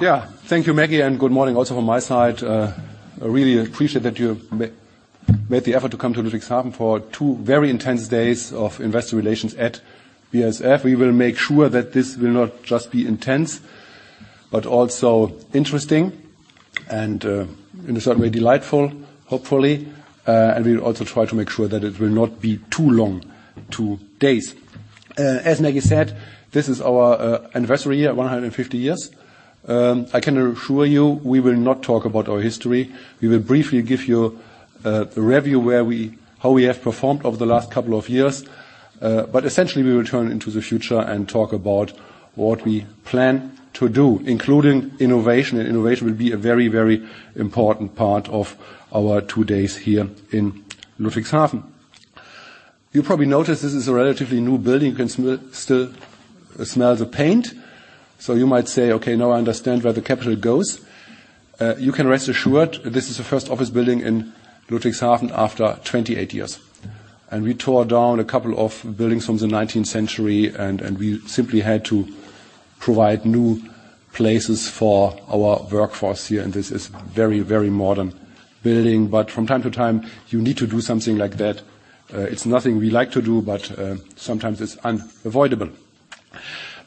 Yeah. Thank you, Maggie, and good morning also from my side. I really appreciate that you made the effort to come to Ludwigshafen for two very intense days of investor relations at BASF. We will make sure that this will not just be intense, but also interesting and, in a certain way, delightful, hopefully. We'll also try to make sure that it will not be too long two days. As Maggie said, this is our anniversary year, 150 years. I can assure you, we will not talk about our history. We will briefly give you a review of how we have performed over the last couple of years. Essentially, we will turn to the future and talk about what we plan to do, including innovation. Innovation will be a very, very important part of our two days here in Ludwigshafen. You probably noticed this is a relatively new building. You can still smell the paint. You might say, "Okay, now I understand where the capital goes." You can rest assured this is the first office building in Ludwigshafen after 28 years. We tore down a couple of buildings from the 19th century and we simply had to provide new places for our workforce here, and this is very, very modern building. From time to time, you need to do something like that. It's nothing we like to do, but sometimes it's unavoidable.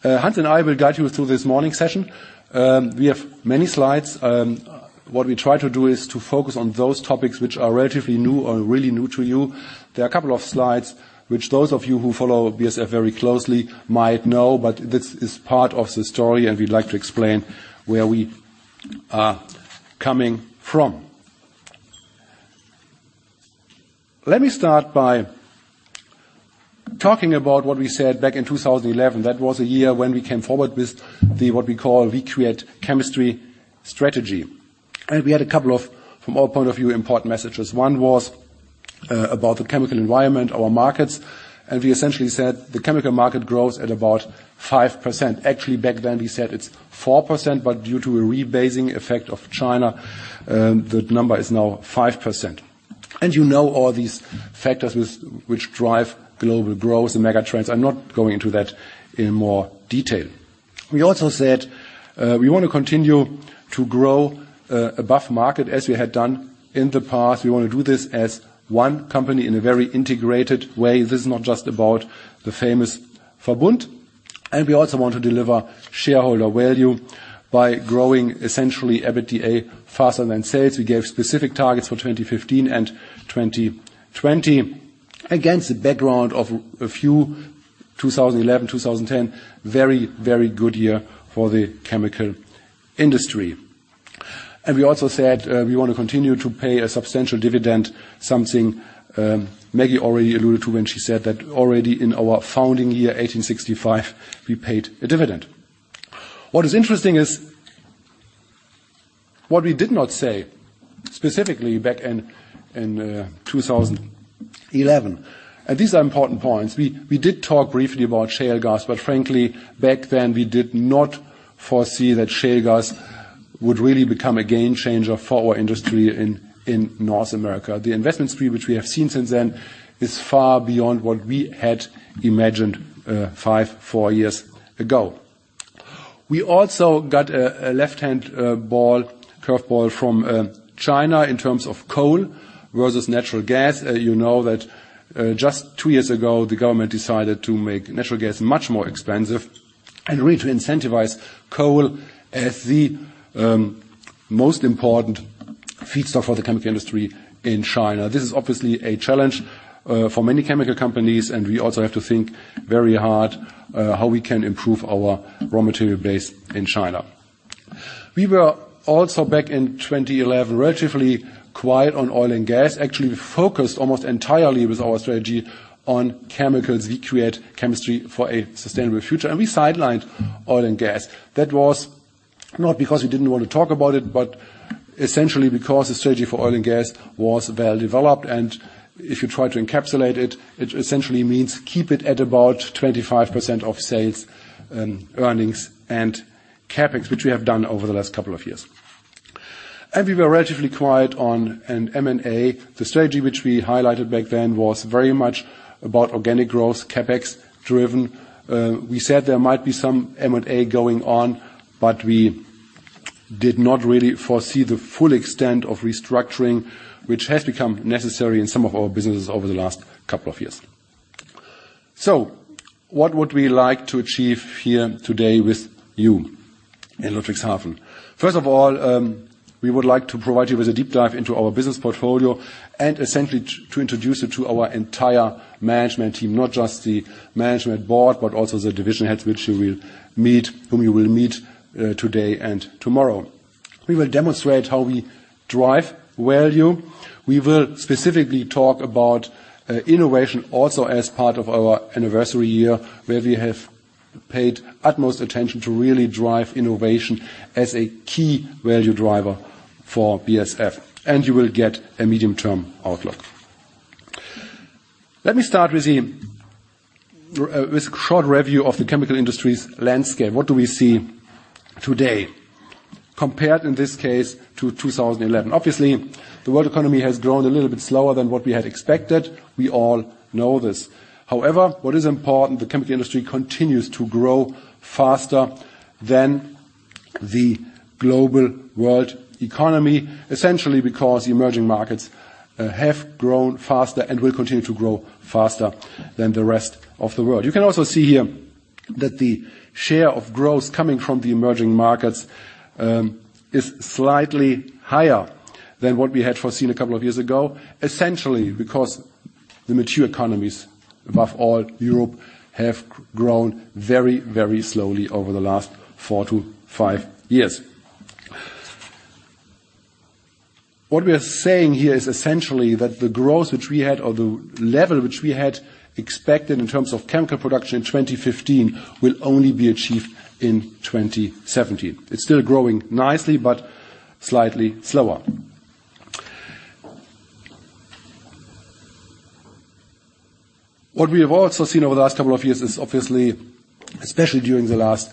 Hans and I will guide you through this morning session. We have many slides. What we try to do is to focus on those topics which are relatively new or really new to you. There are a couple of slides which those of you who follow BASF very closely might know, but this is part of the story, and we'd like to explain where we are coming from. Let me start by talking about what we said back in 2011. That was a year when we came forward with the, what we call We Create Chemistry strategy. We had a couple of, from our point of view, important messages. One was about the chemical environment, our markets, and we essentially said the chemical market grows at about 5%. Actually, back then we said it's 4%, but due to a rebasing effect of China, the number is now 5%. You know all these factors which drive global growth and mega trends. I'm not going into that in more detail. We also said we want to continue to grow above market as we had done in the past. We want to do this as one company in a very integrated way. This is not just about the famous Verbund. We also want to deliver shareholder value by growing essentially EBITDA faster than sales. We gave specific targets for 2015 and 2020 against the background of 2011, 2010, very, very good year for the chemical industry. We also said we want to continue to pay a substantial dividend, something Maggie already alluded to when she said that already in our founding year, 1865, we paid a dividend. What is interesting is what we did not say specifically back in 2011, and these are important points. We did talk briefly about shale gas, but frankly, back then, we did not foresee that shale gas would really become a game changer for our industry in North America. The investment spree which we have seen since then is far beyond what we had imagined five, four years ago. We also got a curveball from China in terms of coal versus natural gas. You know that just two years ago, the government decided to make natural gas much more expensive and really to incentivize coal as the most important feedstock for the chemical industry in China. This is obviously a challenge for many chemical companies, and we also have to think very hard how we can improve our raw material base in China. We were also back in 2011, relatively quiet on Oil & Gas. Actually, we focused almost entirely with our strategy on chemicals. We create chemistry for a sustainable future, and we sidelined Oil & Gas. That was not because we didn't want to talk about it, but essentially because the strategy for Oil & Gas was well developed. If you try to encapsulate it essentially means keep it at about 25% of sales and earnings and CapEx, which we have done over the last couple of years. We were relatively quiet on an M&A. The strategy which we highlighted back then was very much about organic growth, CapEx-driven. We said there might be some M&A going on, but we did not really foresee the full extent of restructuring, which has become necessary in some of our businesses over the last couple of years. What would we like to achieve here today with you in Ludwigshafen? First of all, we would like to provide you with a deep dive into our business portfolio and essentially to introduce you to our entire management team, not just the management board, but also the division heads, whom you will meet today and tomorrow. We will demonstrate how we drive value. We will specifically talk about innovation also as part of our anniversary year, where we have paid utmost attention to really drive innovation as a key value driver for BASF, and you will get a medium-term outlook. Let me start with a short review of the chemical industry's landscape. What do we see today? Compared in this case to 2011. Obviously, the world economy has grown a little bit slower than what we had expected. We all know this. However, what is important, the chemical industry continues to grow faster than the global world economy, essentially because the emerging markets have grown faster and will continue to grow faster than the rest of the world. You can also see here that the share of growth coming from the emerging markets is slightly higher than what we had foreseen a couple of years ago. Essentially because the mature economies, above all Europe, have grown very, very slowly over the last four to five years. What we are saying here is essentially that the growth which we had or the level which we had expected in terms of chemical production in 2015 will only be achieved in 2017. It's still growing nicely but slightly slower. What we have also seen over the last couple of years is obviously, especially during the last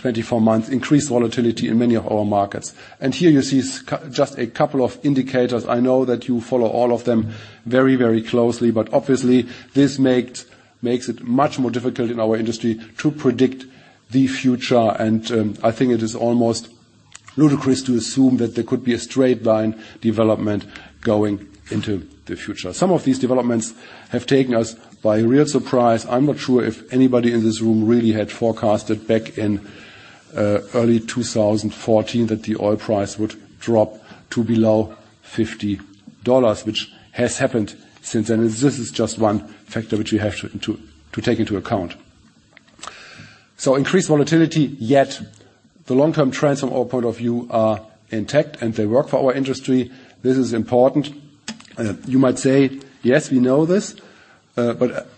12-24 months, increased volatility in many of our markets. Here you see just a couple of indicators. I know that you follow all of them very, very closely, but obviously this makes it much more difficult in our industry to predict the future. I think it is almost ludicrous to assume that there could be a straight line development going into the future. Some of these developments have taken us by real surprise. I'm not sure if anybody in this room really had forecasted back in early 2014 that the oil price would drop to below $50, which has happened since then. This is just one factor which we have to take into account. Increased volatility, yet the long-term trends from our point of view are intact and they work for our industry. This is important. You might say, "Yes, we know this," but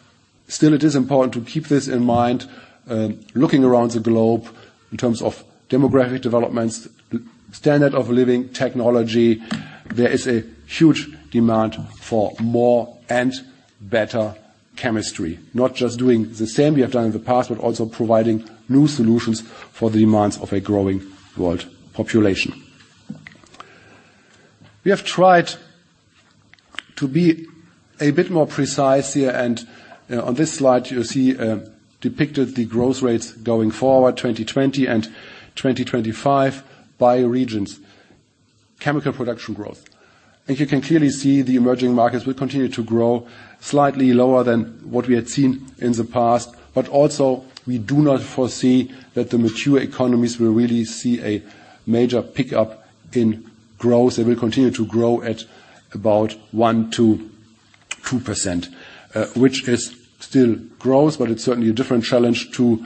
still it is important to keep this in mind. Looking around the globe in terms of demographic developments, standard of living, technology, there is a huge demand for more and better chemistry. Not just doing the same we have done in the past, but also providing new solutions for the demands of a growing world population. We have tried to be a bit more precise here, and on this slide you see depicted the growth rates going forward, 2020 and 2025 by regions. Chemical production growth. You can clearly see the emerging markets will continue to grow slightly lower than what we had seen in the past. Also we do not foresee that the mature economies will really see a major pickup in growth. They will continue to grow at about 1%-2%, which is still growth, but it's certainly a different challenge to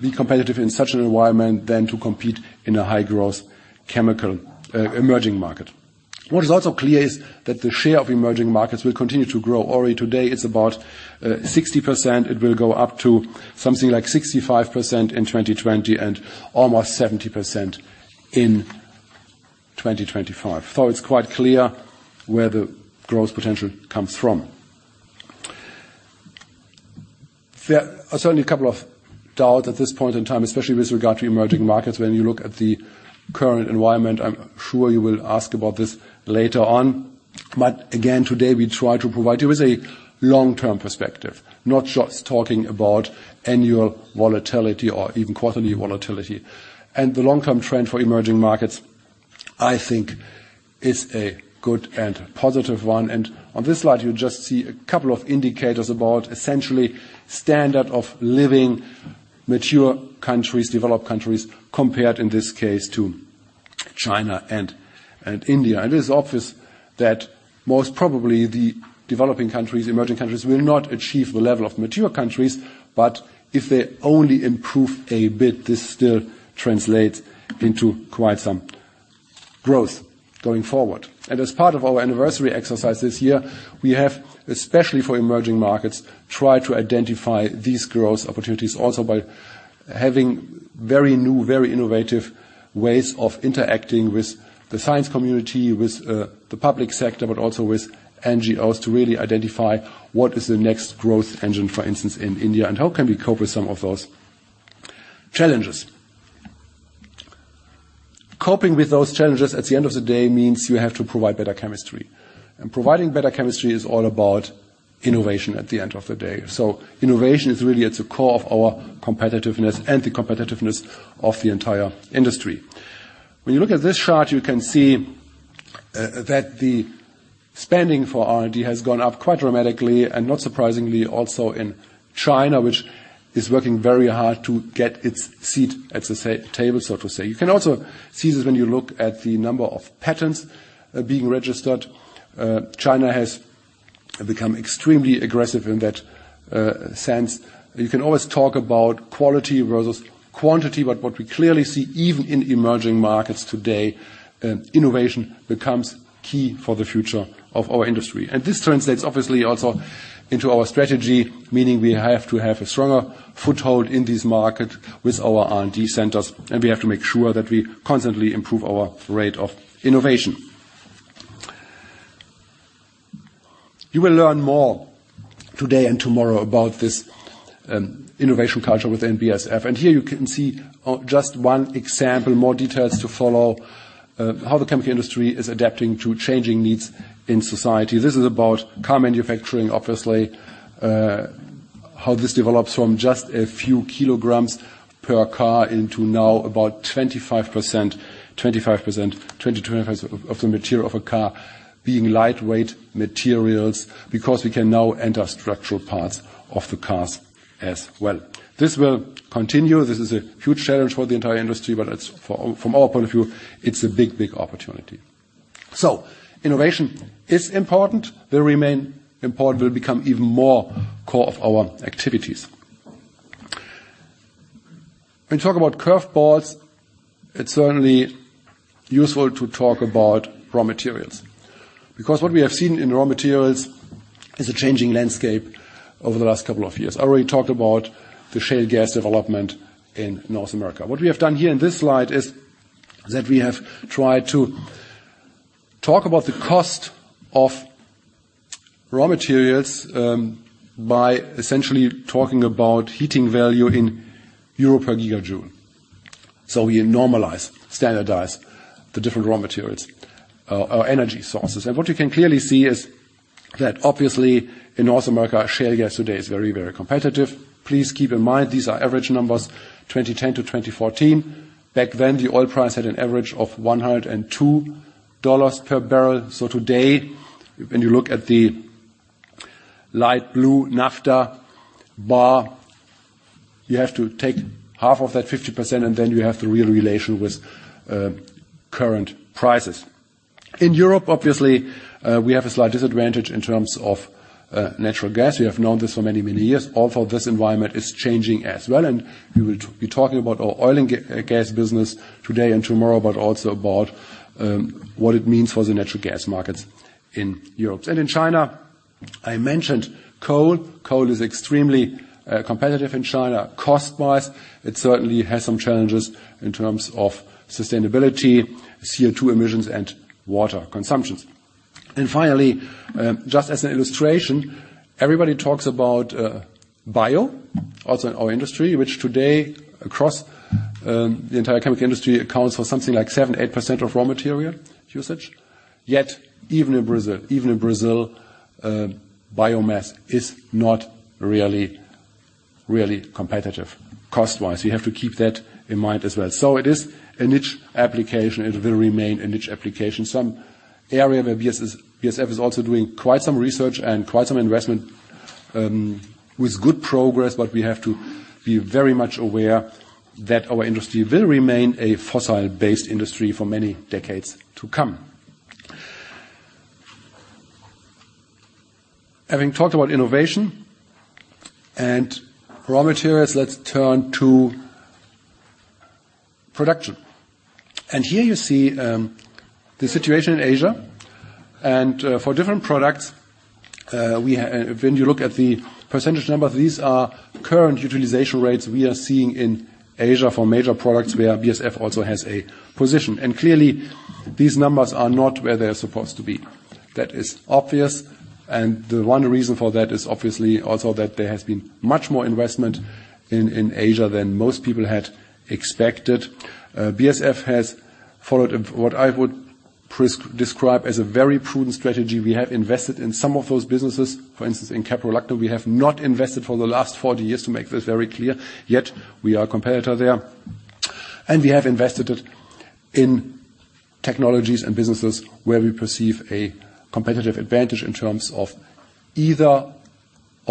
be competitive in such an environment than to compete in a high-growth chemical emerging market. What is also clear is that the share of emerging markets will continue to grow. Already today it's about 60%. It will go up to something like 65% in 2020 and almost 70% in 2025. It's quite clear where the growth potential comes from. There are certainly a couple of doubt at this point in time, especially with regard to emerging markets. When you look at the current environment, I'm sure you will ask about this later on, but again, today we try to provide you with a long-term perspective, not just talking about annual volatility or even quarterly volatility. The long-term trend for emerging markets, I think, is a good and positive one. On this slide, you just see a couple of indicators about essentially standard of living, mature countries, developed countries, compared in this case to China and India. It is obvious that most probably the developing countries, emerging countries, will not achieve the level of mature countries, but if they only improve a bit, this still translates into quite some growth going forward. As part of our anniversary exercise this year, we have, especially for emerging markets, tried to identify these growth opportunities also by having very new, very innovative ways of interacting with the science community, with the public sector, but also with NGOs to really identify what is the next growth engine, for instance, in India, and how can we cope with some of those challenges. Coping with those challenges at the end of the day means you have to provide better chemistry. Providing better chemistry is all about innovation at the end of the day. Innovation is really at the core of our competitiveness and the competitiveness of the entire industry. When you look at this chart, you can see that the spending for R&D has gone up quite dramatically, and not surprisingly also in China, which is working very hard to get its seat at the table, so to say. You can also see this when you look at the number of patents being registered. China has become extremely aggressive in that sense. You can always talk about quality versus quantity, but what we clearly see, even in emerging markets today, innovation becomes key for the future of our industry. This translates obviously also into our strategy, meaning we have to have a stronger foothold in this market with our R&D centers, and we have to make sure that we constantly improve our rate of innovation. You will learn more today and tomorrow about this, innovation culture within BASF. Here you can see on just one example, more details to follow, how the chemical industry is adapting to changing needs in society. This is about car manufacturing, obviously, how this develops from just a few kilograms per car into now about 25%, 20% of the material of a car being lightweight materials because we can now enter structural parts of the cars as well. This will continue. This is a huge challenge for the entire industry, but it's, from our point of view, it's a big, big opportunity. Innovation is important. Will remain important, will become even more core of our activities. When talking about curveballs, it's certainly useful to talk about raw materials, because what we have seen in raw materials is a changing landscape over the last couple of years. I already talked about the shale gas development in North America. What we have done here in this slide is that we have tried to talk about the cost of raw materials by essentially talking about heating value in EUR per gigajoule. So we normalize, standardize the different raw materials or energy sources. What you can clearly see is that obviously in North America, shale gas today is very, very competitive. Please keep in mind these are average numbers, 2010-2014. Back then, the oil price had an average of $102 per barrel. Today, when you look at the light blue NAFTA bar, you have to take half of that 50%, and then you have the real relation with current prices. In Europe, obviously, we have a slight disadvantage in terms of natural gas. We have known this for many, many years, although this environment is changing as well, and we will be talking about our Oil & Gas business today and tomorrow, but also about what it means for the natural gas markets in Europe. In China, I mentioned coal. Coal is extremely competitive in China cost-wise. It certainly has some challenges in terms of sustainability, CO₂ emissions and water consumptions. Finally, just as an illustration, everybody talks about bio, also in our industry, which today across the entire chemical industry accounts for something like 7%-8% of raw material usage. Yet even in Brazil, biomass is not really competitive cost-wise. You have to keep that in mind as well. It is a niche application. It will remain a niche application. Some area where BASF is also doing quite some research and quite some investment, with good progress, but we have to be very much aware that our industry will remain a fossil-based industry for many decades to come. Having talked about innovation and raw materials, let's turn to production. Here you see the situation in Asia and for different products. When you look at the percentage number, these are current utilization rates we are seeing in Asia for major products where BASF also has a position. Clearly these numbers are not where they're supposed to be. That is obvious. The one reason for that is obviously also that there has been much more investment in Asia than most people had expected. BASF has followed what I would describe as a very prudent strategy. We have invested in some of those businesses. For instance, in caprolactam, we have not invested for the last 40 years to make this very clear. Yet we are a competitor there. We have invested it in technologies and businesses where we perceive a competitive advantage in terms of either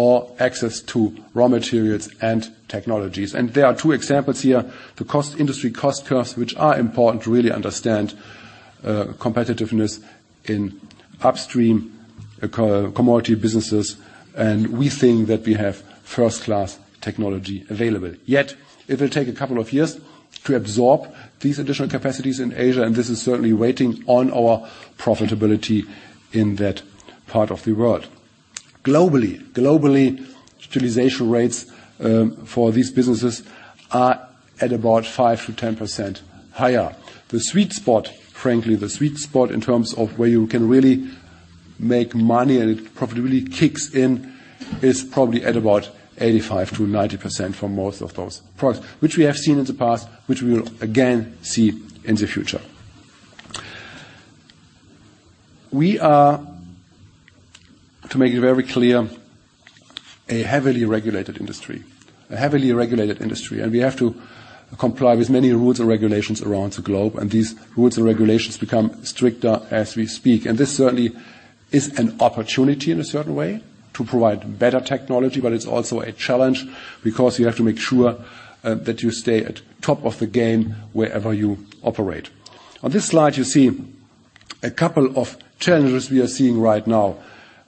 cost or access to raw materials and technologies. There are two examples here. The industry's cost curves, which are important to really understand competitiveness in upstream commodity businesses, and we think that we have first-class technology available. Yet it will take a couple of years to absorb these additional capacities in Asia, and this is certainly weighing on our profitability in that part of the world. Globally, utilization rates for these businesses are at about 5%-10% higher. The sweet spot, frankly, the sweet spot in terms of where you can really make money and profitability kicks in is probably at about 85%-90% for most of those products, which we have seen in the past, which we will again see in the future. We are, to make it very clear, a heavily regulated industry, and we have to comply with many rules and regulations around the globe, and these rules and regulations become stricter as we speak. This certainly is an opportunity in a certain way to provide better technology, but it's also a challenge because you have to make sure that you stay at top of the game wherever you operate. On this slide, you see a couple of challenges we are seeing right now,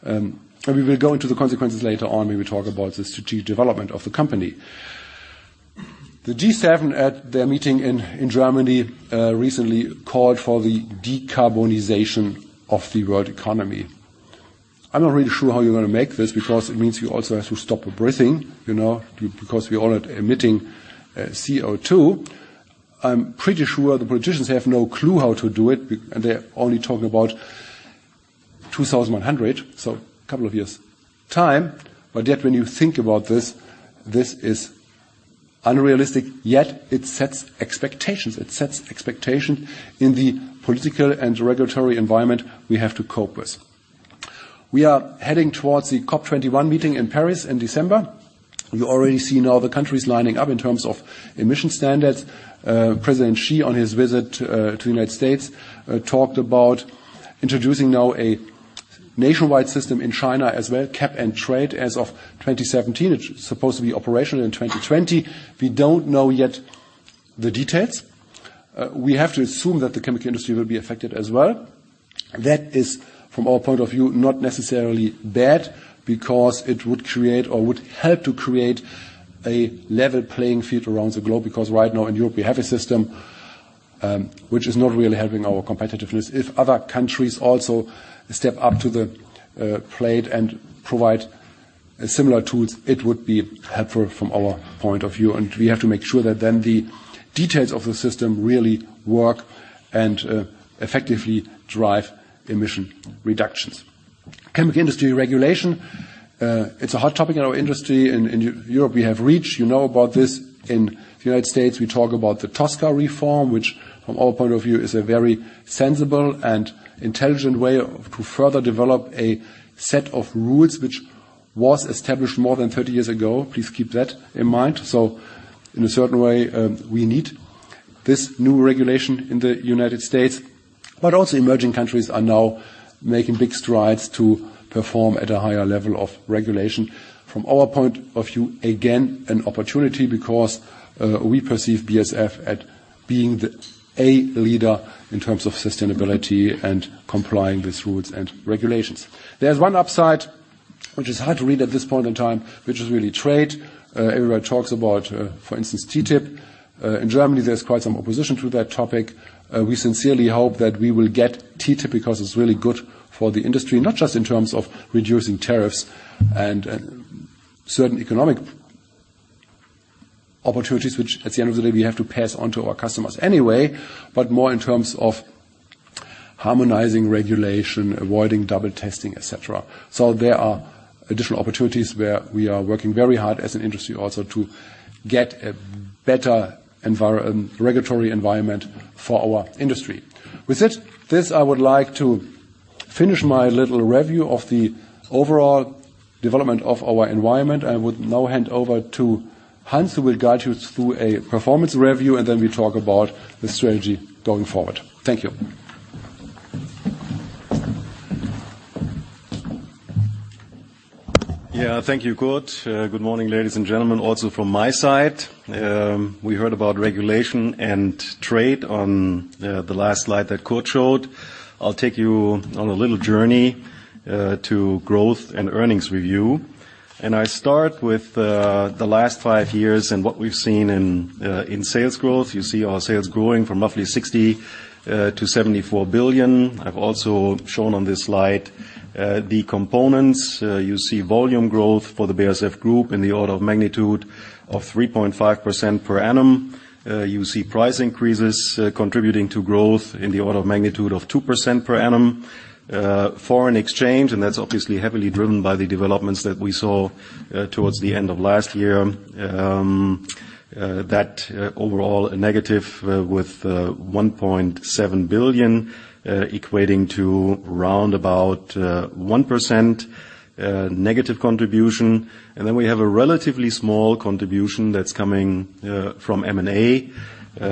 and we will go into the consequences later on when we talk about the strategic development of the company. The G7 at their meeting in Germany recently called for the decarbonization of the world economy. I'm not really sure how you're gonna make this because it means you also have to stop breathing, you know, because we're all emitting CO₂. I'm pretty sure the politicians have no clue how to do it and they're only talking about 2100, so a couple of years' time. Yet when you think about this is unrealistic. Yet it sets expectations in the political and regulatory environment we have to cope with. We are heading towards the COP21 meeting in Paris in December. You already see now the countries lining up in terms of emission standards. President Xi on his visit to United States talked about introducing now a nationwide system in China as well, cap-and-trade, as of 2017. It's supposed to be operational in 2020. We don't know yet the details. We have to assume that the chemical industry will be affected as well. That is, from our point of view, not necessarily bad because it would create or would help to create a level playing field around the globe. Right now in Europe, we have a system, which is not really helping our competitiveness. If other countries also step up to the plate and provide similar tools, it would be helpful from our point of view. We have to make sure that then the details of the system really work and effectively drive emission reductions. Chemical industry regulation, it's a hot topic in our industry. In Europe, we have REACH, you know about this. In the United States, we talk about the TSCA reform, which from our point of view is a very sensible and intelligent way to further develop a set of rules which was established more than 30 years ago. Please keep that in mind. In a certain way, we need this new regulation in the United States. Emerging countries are now making big strides to perform at a higher level of regulation. From our point of view, again, an opportunity because we perceive BASF as being a leader in terms of sustainability and complying with rules and regulations. There's one upside, which is hard to read at this point in time, which is really trade. Everybody talks about, for instance, TTIP. In Germany, there's quite some opposition to that topic. We sincerely hope that we will get TTIP because it's really good for the industry, not just in terms of reducing tariffs and certain economic opportunities, which at the end of the day, we have to pass on to our customers anyway, but more in terms of harmonizing regulation, avoiding double testing, et cetera. There are additional opportunities where we are working very hard as an industry also to get a better regulatory environment for our industry. With this, I would like to finish my little review of the overall development of our environment. I would now hand over to Hans, who will guide you through a performance review, and then we talk about the strategy going forward. Thank you. Yeah. Thank you, Kurt. Good morning, ladies and gentlemen. Also from my side, we heard about regulation and trade on the last slide that Kurt showed. I'll take you on a little journey to growth and earnings review. I start with the last five years and what we've seen in sales growth. You see our sales growing from roughly 60 billion to 74 billion. I've also shown on this slide the components. You see volume growth for the BASF Group in the order of magnitude of 3.5% per annum. You see price increases contributing to growth in the order of magnitude of 2% per annum. Foreign exchange, and that's obviously heavily driven by the developments that we saw towards the end of last year. That's overall a negative with 1.7 billion equating to round about 1% negative contribution. We have a relatively small contribution that's coming from M&A. In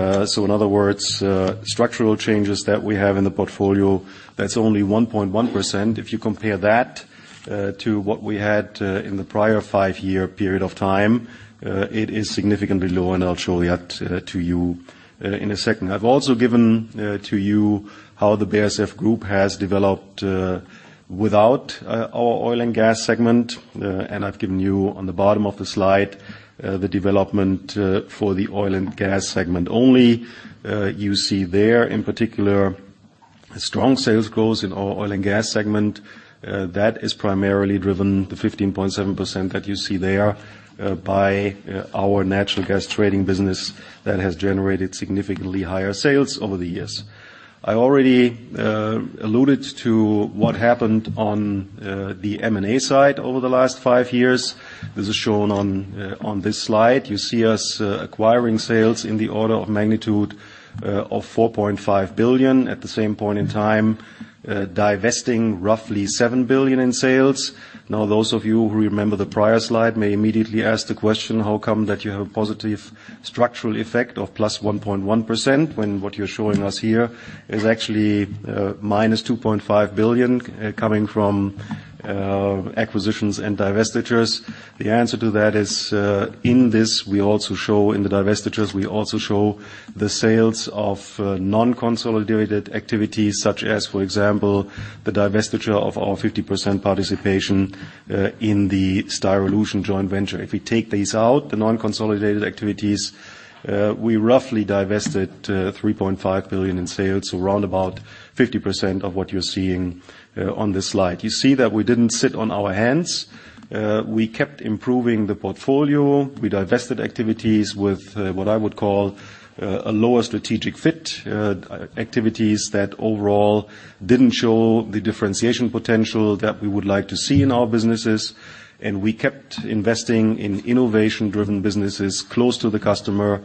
other words, structural changes that we have in the portfolio, that's only 1.1%. If you compare that to what we had in the prior five-year period of time, it is significantly lower, and I'll show that to you in a second. I've also given to you how the BASF Group has developed without our Oil & Gas segment. I've given you on the bottom of the slide the development for the Oil & Gas segment only. You see there in particular strong sales growth in our Oil & Gas segment. That is primarily driven, the 15.7% that you see there, by our natural gas trading business that has generated significantly higher sales over the years. I already alluded to what happened on the M&A side over the last five years. This is shown on this slide. You see us acquiring sales in the order of magnitude of 4.5 billion. At the same point in time, divesting roughly 7 billion in sales. Now, those of you who remember the prior slide may immediately ask the question, how come that you have a positive structural effect of +1.1% when what you are showing us here is actually -2.5 billion coming from acquisitions and divestitures? The answer to that is, in this, we also show in the divestitures, we also show the sales of, non-consolidated activities such as, for example, the divestiture of our 50% participation, in the Styrolution joint venture. If we take these out, the non-consolidated activities, we roughly divested, 3.5 billion in sales, so round about 50% of what you're seeing, on this slide. You see that we didn't sit on our hands. We kept improving the portfolio. We divested activities with, what I would call, a lower strategic fit, activities that overall didn't show the differentiation potential that we would like to see in our businesses. We kept investing in innovation-driven businesses close to the customer,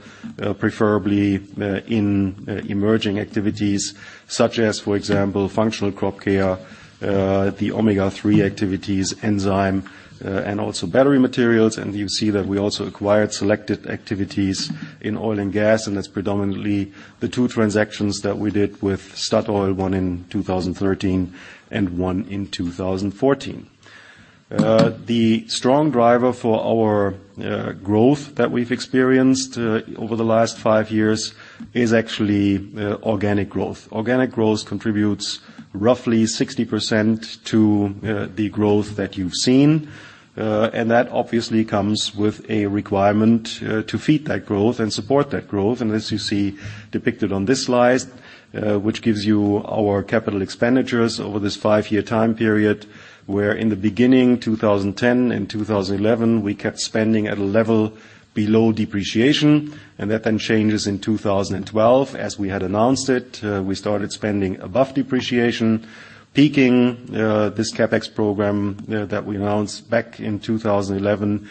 preferably, in emerging activities such as, for example, Functional Crop Care, the omega-3 activities, enzyme, and also battery materials. You see that we also acquired selected activities in Oil & Gas, and that's predominantly the two transactions that we did with Statoil, one in 2013 and one in 2014. The strong driver for our growth that we've experienced over the last five years is actually organic growth. Organic growth contributes roughly 60% to the growth that you've seen. That obviously comes with a requirement to feed that growth and support that growth. As you see depicted on this slide, which gives you our capital expenditures over this five-year time period, where in the beginning, 2010 and 2011, we kept spending at a level below depreciation. That then changes in 2012. As we had announced it, we started spending above depreciation, peaking this CapEx program that we announced back in 2011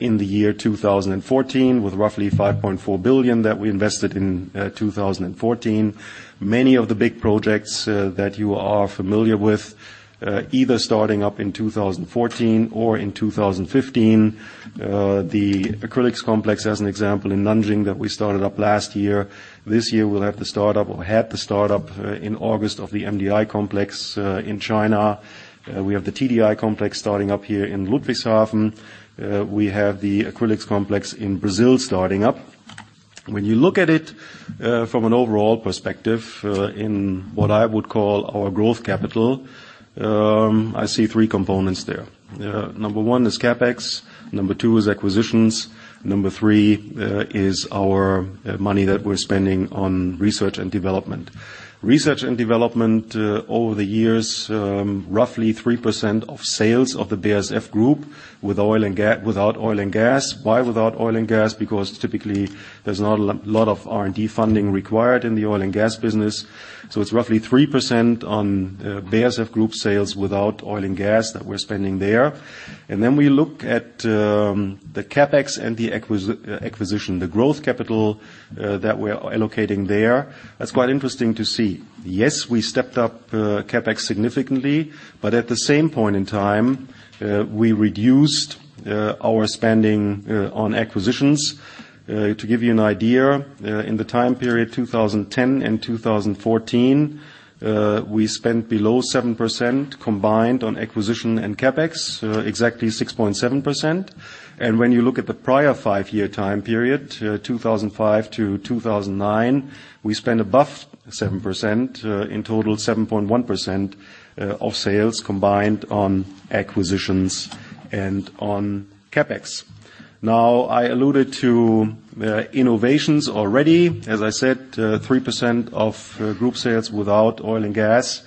in the year 2014 with roughly 5.4 billion that we invested in 2014. Many of the big projects that you are familiar with either starting up in 2014 or in 2015. The acrylics complex, as an example, in Nanjing that we started up last year. This year we'll have the start-up or had the start-up in August of the MDI complex in China. We have the TDI complex starting up here in Ludwigshafen. We have the acrylics complex in Brazil starting up. When you look at it from an overall perspective in what I would call our growth capital, I see three components there. Number one is CapEx, number two is acquisitions, number three is our money that we're spending on research and development. Research and development over the years, roughly 3% of sales of the BASF Group without Oil & Gas. Why without Oil & Gas? Because typically, there's not a lot of R&D funding required in the Oil & Gas business. It's roughly 3% on BASF Group sales without Oil & Gas that we're spending there. We look at the CapEx and the acquisition, the growth capital that we're allocating there. That's quite interesting to see. Yes, we stepped up CapEx significantly, but at the same point in time, we reduced our spending on acquisitions. To give you an idea, in the time period 2010 and 2014, we spent below 7% combined on acquisition and CapEx, exactly 6.7%. When you look at the prior five-year time period, 2005 to 2009, we spent above 7%, in total, 7.1% of sales combined on acquisitions and on CapEx. I alluded to innovations already. As I said, 3% of group sales without Oil & Gas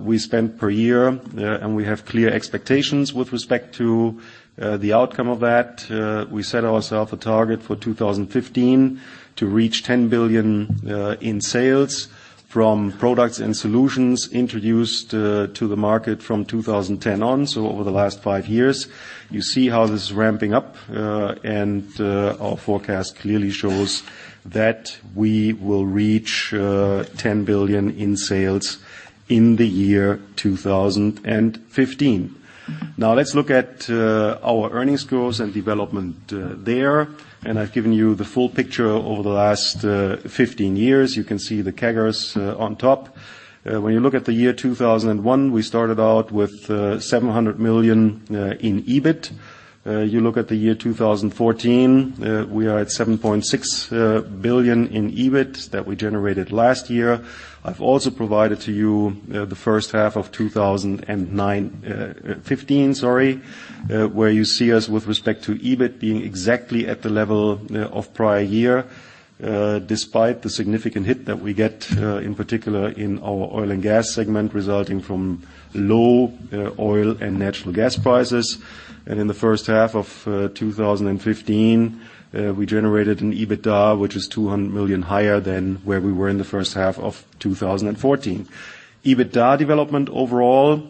we spend per year, and we have clear expectations with respect to the outcome of that. We set ourself a target for 2015 to reach 10 billion in sales from products and solutions introduced to the market from 2010 on. Over the last five years, you see how this is ramping up, and our forecast clearly shows that we will reach 10 billion in sales in the year 2015. Now let's look at our earnings growth and development there. I've given you the full picture over the last 15 years. You can see the CAGRs on top. When you look at the year 2001, we started out with 700 million in EBIT. You look at the year 2014, we are at 7.6 billion in EBIT that we generated last year. I've also provided to you the first half of 2015, sorry, where you see us with respect to EBIT being exactly at the level of prior year despite the significant hit that we get in particular in our Oil & Gas segment, resulting from low oil and natural gas prices. In the first half of 2015, we generated an EBITDA, which is 200 million higher than where we were in the first half of 2014. EBITDA development overall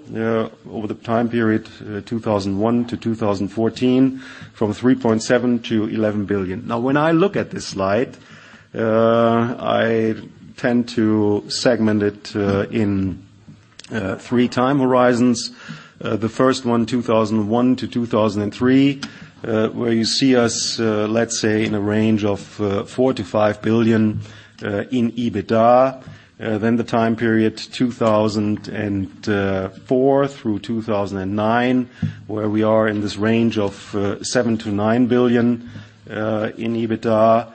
over the time period 2001 to 2014, from 3.7 billion to 11 billion. Now, when I look at this slide, I tend to segment it in three time horizons. The first one, 2001 to 2003, where you see us, let's say in a range of 4 billion-5 billion in EBITDA. Then the time period 2004 through 2009, where we are in this range of 7 billion-9 billion in EBITDA.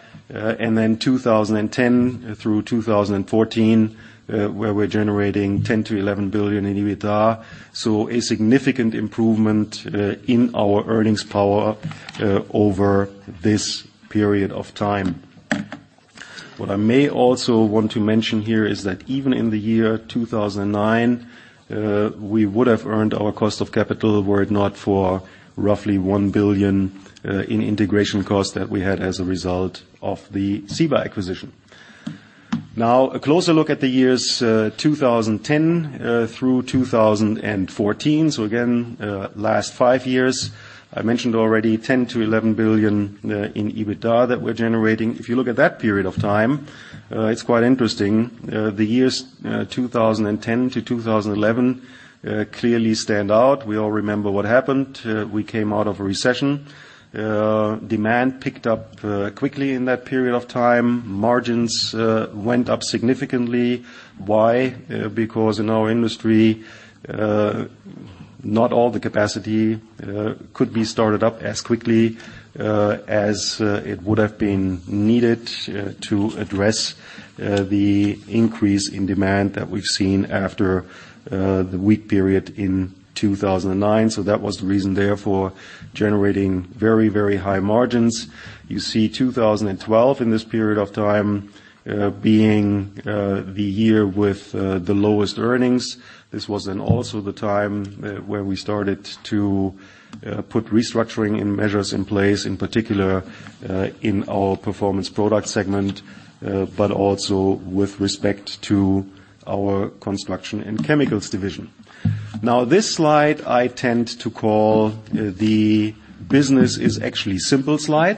2010 through 2014, where we're generating 10 billion-11 billion in EBITDA. A significant improvement in our earnings power over this period of time. What I may also want to mention here is that even in the year 2009, we would have earned our cost of capital were it not for roughly 1 billion in integration costs that we had as a result of the Ciba acquisition. Now a closer look at the years 2010 through 2014. Again, last five years, I mentioned already 10 billion-11 billion in EBITDA that we're generating. If you look at that period of time, it's quite interesting. The years 2010 to 2011 clearly stand out. We all remember what happened. We came out of a recession. Demand picked up quickly in that period of time. Margins went up significantly. Why? Because in our industry, not all the capacity could be started up as quickly as it would have been needed to address the increase in demand that we've seen after the weak period in 2009. That was the reason there for generating very, very high margins. You see 2012 in this period of time being the year with the lowest earnings. This was then also the time where we started to put restructuring and measures in place, in particular, in our Performance Products segment, but also with respect to our Construction Chemicals division. Now this slide I tend to call the business is actually simple slide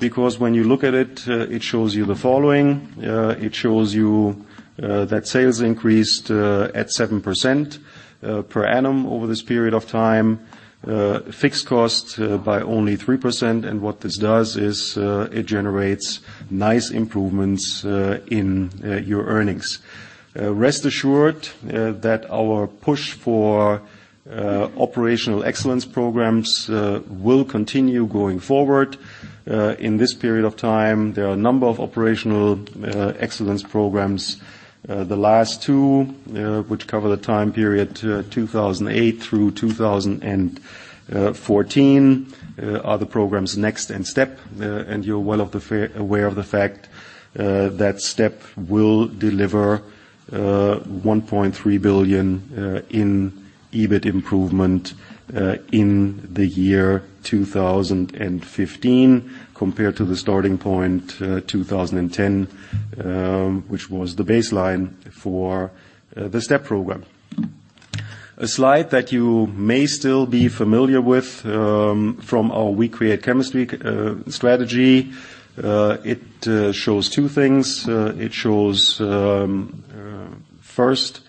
because when you look at it shows you the following. It shows you that sales increased at 7% per annum over this period of time, fixed costs by only 3%. What this does is it generates nice improvements in your earnings. Rest assured that our push for operational excellence programs will continue going forward. In this period of time, there are a number of operational excellence programs. The last two, which cover the time period 2008 through 2014, are the programs NEXT and STEP. You're well aware of the fact that STEP will deliver 1.3 billion in EBIT improvement in the year 2015 compared to the starting point 2010, which was the baseline for the STEP program. A slide that you may still be familiar with from our We create chemistry strategy. It shows two things. It shows first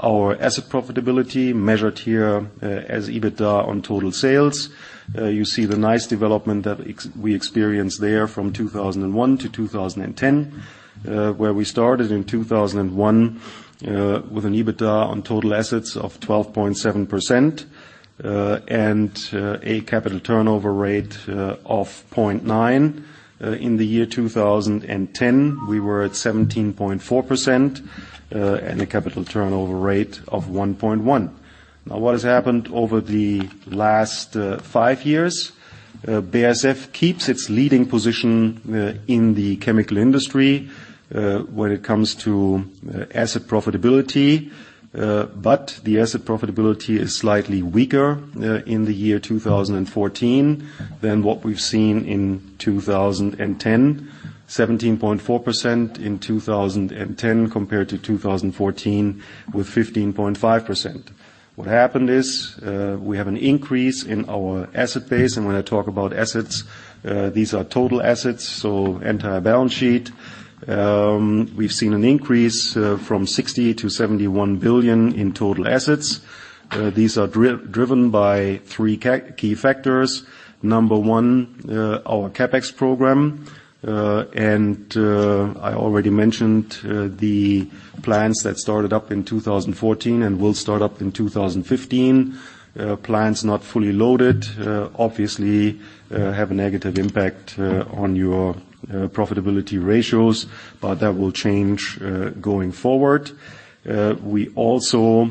our asset profitability measured here as EBITDA on total sales. You see the nice development that we experienced there from 2001 to 2010, where we started in 2001 with an EBITDA on total assets of 12.7%, and a capital turnover rate of 0.9. In 2010, we were at 17.4%, and a capital turnover rate of 1.1. Now, what has happened over the last five years? BASF keeps its leading position in the chemical industry when it comes to asset profitability, but the asset profitability is slightly weaker in 2014 than what we've seen in 2010. 17.4% in 2010 compared to 2014 with 15.5%. What happened is, we have an increase in our asset base, and when I talk about assets, these are total assets, so entire balance sheet. We've seen an increase, from 60 billion to 71 billion in total assets. These are driven by three key factors. Number one, our CapEx program. I already mentioned, the plants that started up in 2014 and will start up in 2015. Plants not fully loaded, obviously, have a negative impact on your profitability ratios, but that will change going forward. We also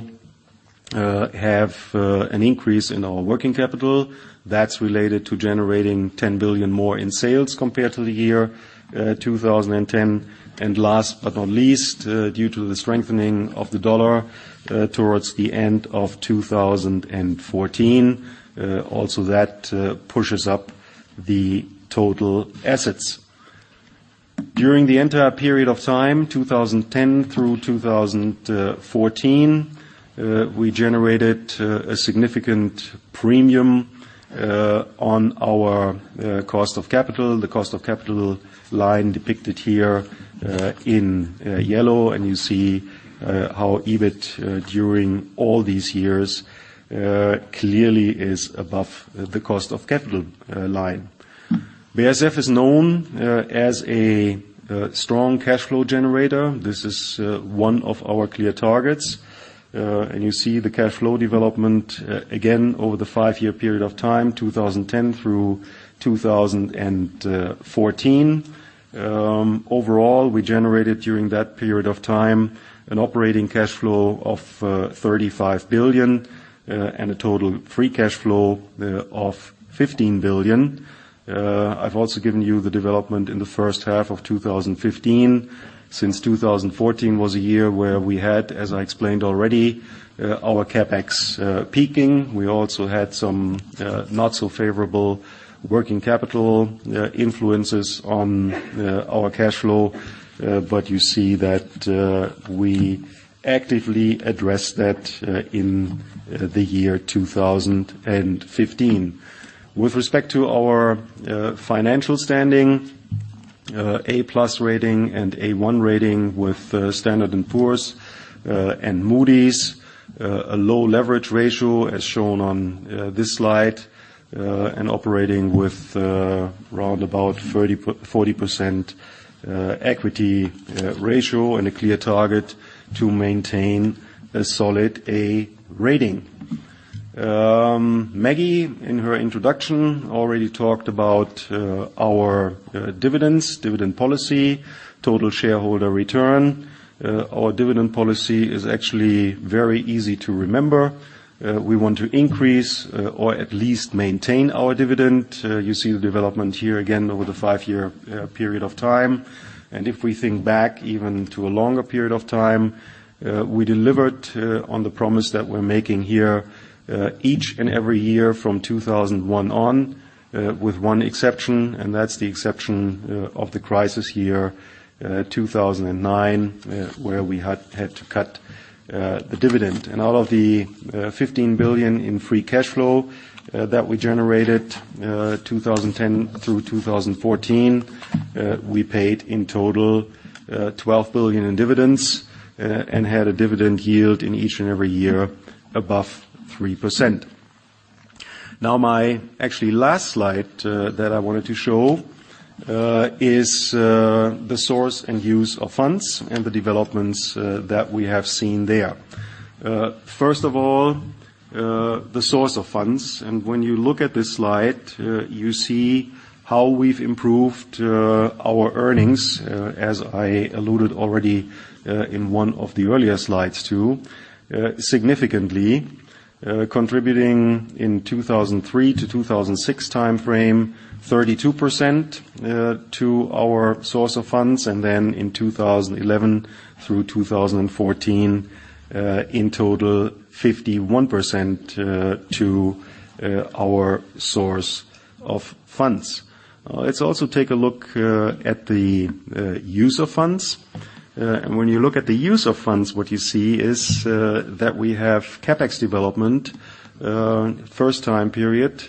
have an increase in our working capital that's related to generating 10 billion more in sales compared to the year 2010. Last but not least, due to the strengthening of the dollar towards the end of 2014, also that pushes up the total assets. During the entire period of time, 2010 through 2014, we generated a significant premium on our cost of capital. The cost of capital line depicted here in yellow, and you see how EBIT during all these years clearly is above the cost of capital line. BASF is known as a strong cash flow generator. This is one of our clear targets. You see the cash flow development, again over the five-year period of time, 2010 through 2014. Overall, we generated during that period of time an operating cash flow of 35 billion and a total free cash flow of 15 billion. I've also given you the development in the first half of 2015. Since 2014 was a year where we had, as I explained already, our CapEx peaking. We also had some not so favorable working capital influences on our cash flow. But you see that we actively address that in the year 2015. With respect to our financial standing, A+ rating and A1 rating with Standard & Poor's and Moody's. A low leverage ratio as shown on this slide and operating with around 30%-40% equity ratio and a clear target to maintain a solid A rating. Maggie, in her introduction, already talked about our dividends, dividend policy, total shareholder return. Our dividend policy is actually very easy to remember. We want to increase or at least maintain our dividend. You see the development here again over the five-year period of time. If we think back even to a longer period of time, we delivered on the promise that we're making here each and every year from 2001 on with one exception, and that's the exception of the crisis year 2009 where we had to cut the dividend. Out of the 15 billion in free cash flow that we generated 2010 through 2014, we paid in total 12 billion in dividends and had a dividend yield in each and every year above 3%. Now, my actually last slide that I wanted to show is the source and use of funds and the developments that we have seen there. First of all, the source of funds. When you look at this slide, you see how we've improved our earnings, as I alluded already in one of the earlier slides, too, significantly. Contributing in 2003 to 2006 timeframe, 32% to our source of funds, and then in 2011 through 2014, in total, 51% to our source of funds. Let's also take a look at the use of funds. When you look at the use of funds, what you see is that we have CapEx development, first time period,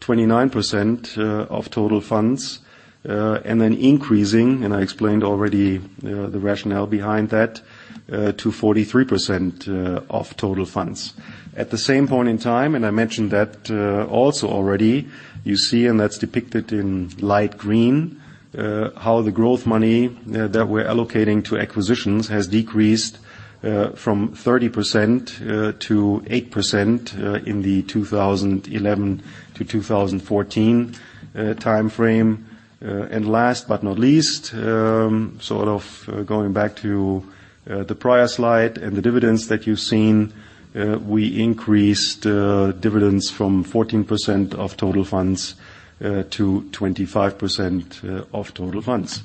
29% of total funds, and then increasing, and I explained already, you know, the rationale behind that, to 43% of total funds. At the same point in time, and I mentioned that, also already, you see, and that's depicted in light green, how the growth money that we're allocating to acquisitions has decreased, from 30% to 8% in the 2011 to 2014 timeframe. Last but not least, sort of going back to the prior slide and the dividends that you've seen, we increased dividends from 14% of total funds to 25% of total funds.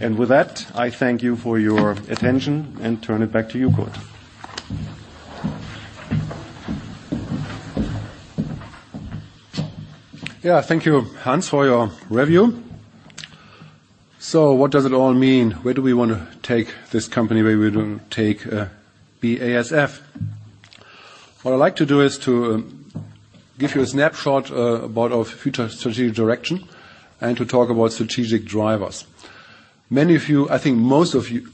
With that, I thank you for your attention and turn it back to you, Kurt. Yeah. Thank you, Hans, for your review. What does it all mean? Where do we wanna take this company? Where we gonna take BASF? What I'd like to do is to give you a snapshot about our future strategic direction and to talk about strategic drivers. Many of you, I think most of you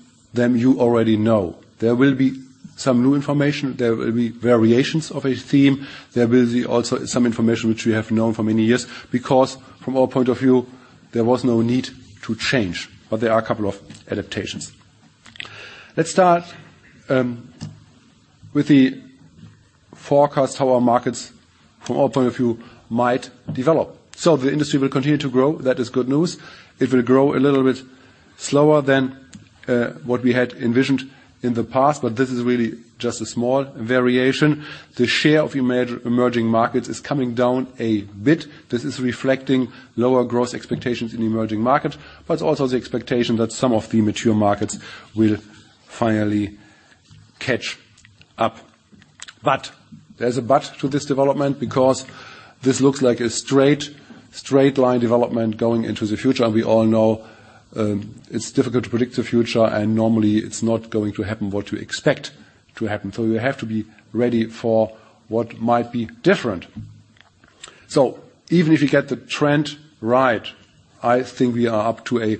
already know them. There will be some new information. There will be variations of a theme. There will also be some information which we have known for many years, because from our point of view, there was no need to change. But there are a couple of adaptations. Let's start with the forecast, how our markets from our point of view might develop. The industry will continue to grow. That is good news. It will grow a little bit slower than what we had envisioned in the past, but this is really just a small variation. The share of emerging markets is coming down a bit. This is reflecting lower growth expectations in emerging markets, but also the expectation that some of the mature markets will finally catch up. There's a but to this development because this looks like a straight line development going into the future. We all know it's difficult to predict the future, and normally it's not going to happen what you expect to happen. You have to be ready for what might be different. Even if you get the trend right, I think we are up to a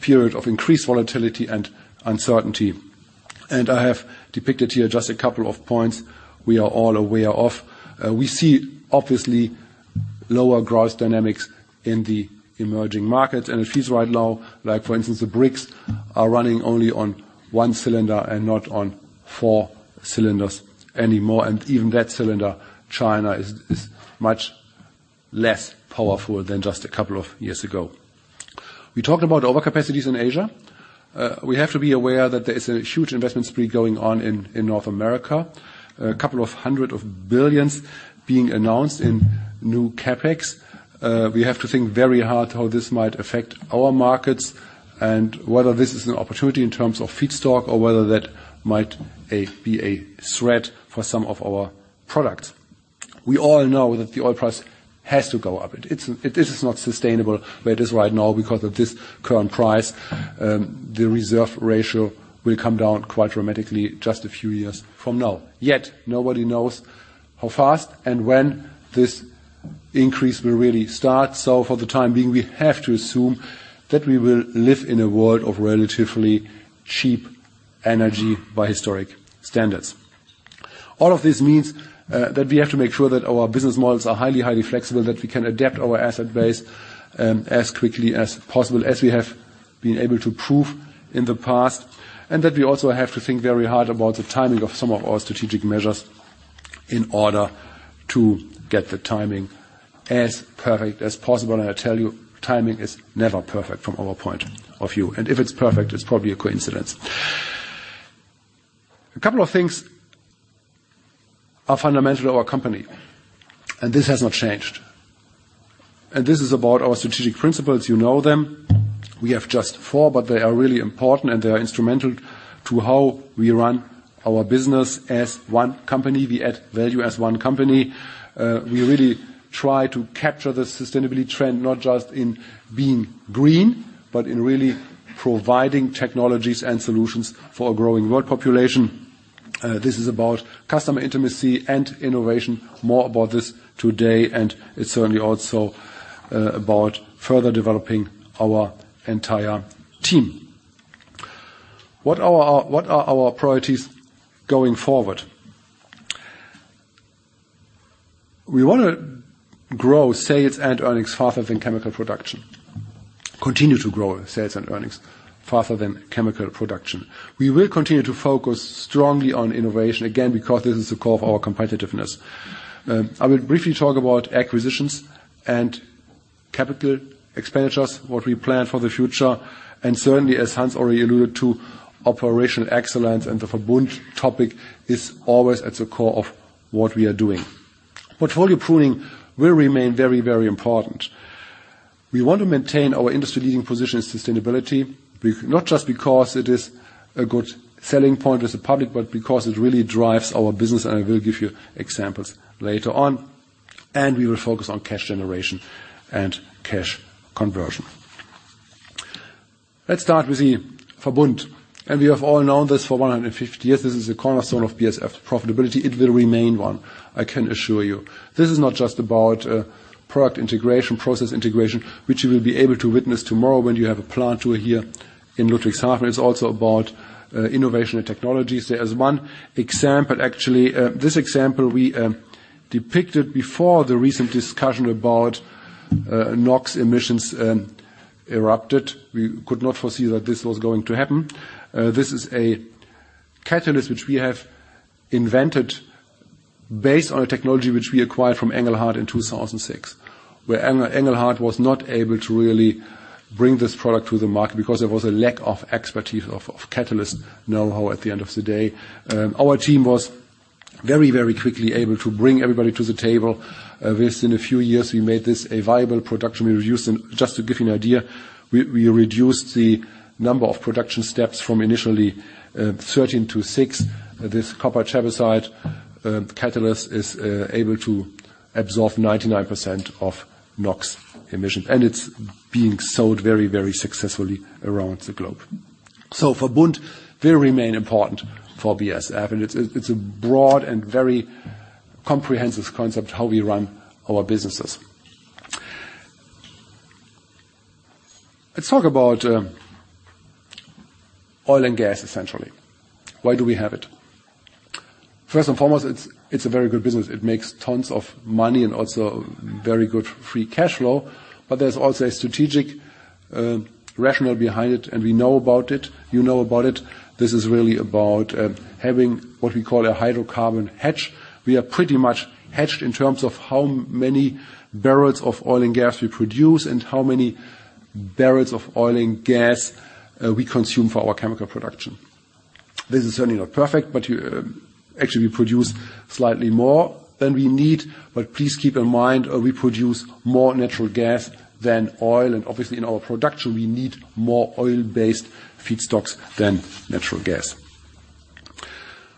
period of increased volatility and uncertainty. I have depicted here just a couple of points we are all aware of. We see obviously lower growth dynamics in the emerging markets, and it feels right now, like for instance, the BRICs are running only on one cylinder and not on four cylinders anymore. Even that cylinder, China, is much less powerful than just a couple of years ago. We talked about overcapacities in Asia. We have to be aware that there is a huge investment spree going on in North America. A couple hundred billion being announced in new CapEx. We have to think very hard how this might affect our markets and whether this is an opportunity in terms of feedstock or whether that might be a threat for some of our products. We all know that the oil price has to go up. This is not sustainable where it is right now because at this current price, the reserve ratio will come down quite dramatically just a few years from now. Yet, nobody knows how fast and when this increase will really start. For the time being, we have to assume that we will live in a world of relatively cheap energy by historic standards. All of this means that we have to make sure that our business models are highly flexible, that we can adapt our asset base as quickly as possible as we have been able to prove in the past, and that we also have to think very hard about the timing of some of our strategic measures in order to get the timing as perfect as possible. I tell you, timing is never perfect from our point of view. If it's perfect, it's probably a coincidence. A couple of things are fundamental to our company, and this has not changed. This is about our strategic principles. You know them. We have just four, but they are really important, and they are instrumental to how we run our business as one company. We add value as one company. We really try to capture the sustainability trend, not just in being green, but in really providing technologies and solutions for a growing world population. This is about customer intimacy and innovation. More about this today, and it's certainly also about further developing our entire team. What are our priorities going forward? We wanna grow sales and earnings faster than chemical production. Continue to grow sales and earnings faster than chemical production. We will continue to focus strongly on innovation again because this is the core of our competitiveness. I will briefly talk about acquisitions and capital expenditures, what we plan for the future, and certainly, as Hans already alluded to, operational excellence and the Verbund topic is always at the core of what we are doing. Portfolio pruning will remain very, very important. We want to maintain our industry-leading position in sustainability. Not just because it is a good selling point with the public, but because it really drives our business, and I will give you examples later on, and we will focus on cash generation and cash conversion. Let's start with the Verbund, and we have all known this for 150 years. This is the cornerstone of BASF profitability. It will remain one, I can assure you. This is not just about product integration, process integration, which you will be able to witness tomorrow when you have a plant tour here in Ludwigshafen. It's also about innovation and technologies. There is one example, actually. This example we depicted before the recent discussion about NOx emissions erupted. We could not foresee that this was going to happen. This is a catalyst which we have invented based on a technology which we acquired from Engelhard in 2006, where Engelhard was not able to really bring this product to the market because there was a lack of expertise of catalyst know-how at the end of the day. Our team was very quickly able to bring everybody to the table. Within a few years, we made this a viable production. We reduced them. Just to give you an idea, we reduced the number of production steps from initially 13 to six. This copper chabazite catalyst is able to absorb 99% of NOx emissions, and it's being sold very, very successfully around the globe. Verbund will remain important for BASF, and it's a broad and very comprehensive concept how we run our businesses. Let's talk about Oil & Gas, essentially. Why do we have it? First and foremost, it's a very good business. It makes tons of money and also very good free cash flow. There's also a strategic rationale behind it, and we know about it. You know about it. This is really about having what we call a hydrocarbon hedge. We are pretty much hedged in terms of how many barrels of oil and gas we produce and consume for our chemical production. This is certainly not perfect. Actually, we produce slightly more than we need. Please keep in mind, we produce more natural gas than oil, and obviously in our production, we need more oil-based feedstocks than natural gas.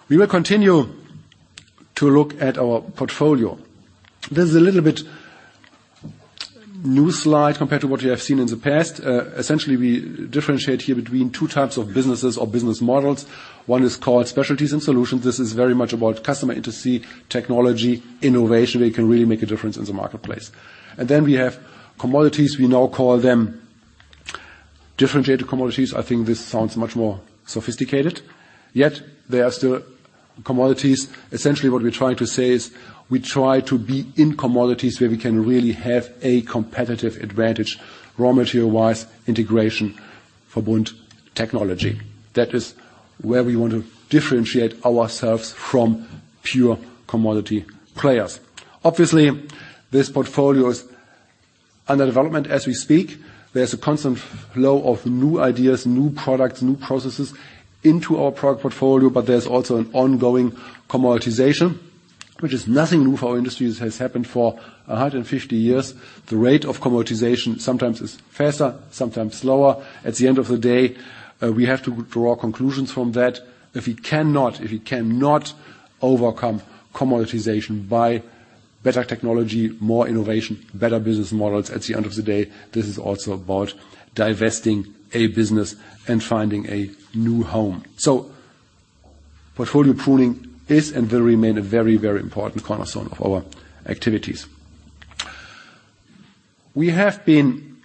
We will continue to look at our portfolio. This is a little bit new slide compared to what you have seen in the past. Essentially, we differentiate here between two types of businesses or business models. One is called specialties and solutions. This is very much about customer intimacy, technology, innovation, where you can really make a difference in the marketplace. Then we have commodities. We now call them differentiated commodities. I think this sounds much more sophisticated, yet they are still commodities. Essentially, what we're trying to say is we try to be in commodities where we can really have a competitive advantage, raw material-wise, integration, Verbund technology. That is where we want to differentiate ourselves from pure commodity players. Obviously, this portfolio is under development as we speak. There's a constant flow of new ideas, new products, new processes into our product portfolio, but there's also an ongoing commoditization, which is nothing new for our industry. This has happened for 150 years. The rate of commoditization sometimes is faster, sometimes slower. At the end of the day, we have to draw conclusions from that. If we cannot overcome commoditization by better technology, more innovation, better business models, at the end of the day, this is also about divesting a business and finding a new home. Portfolio pruning is and will remain a very, very important cornerstone of our activities. We have been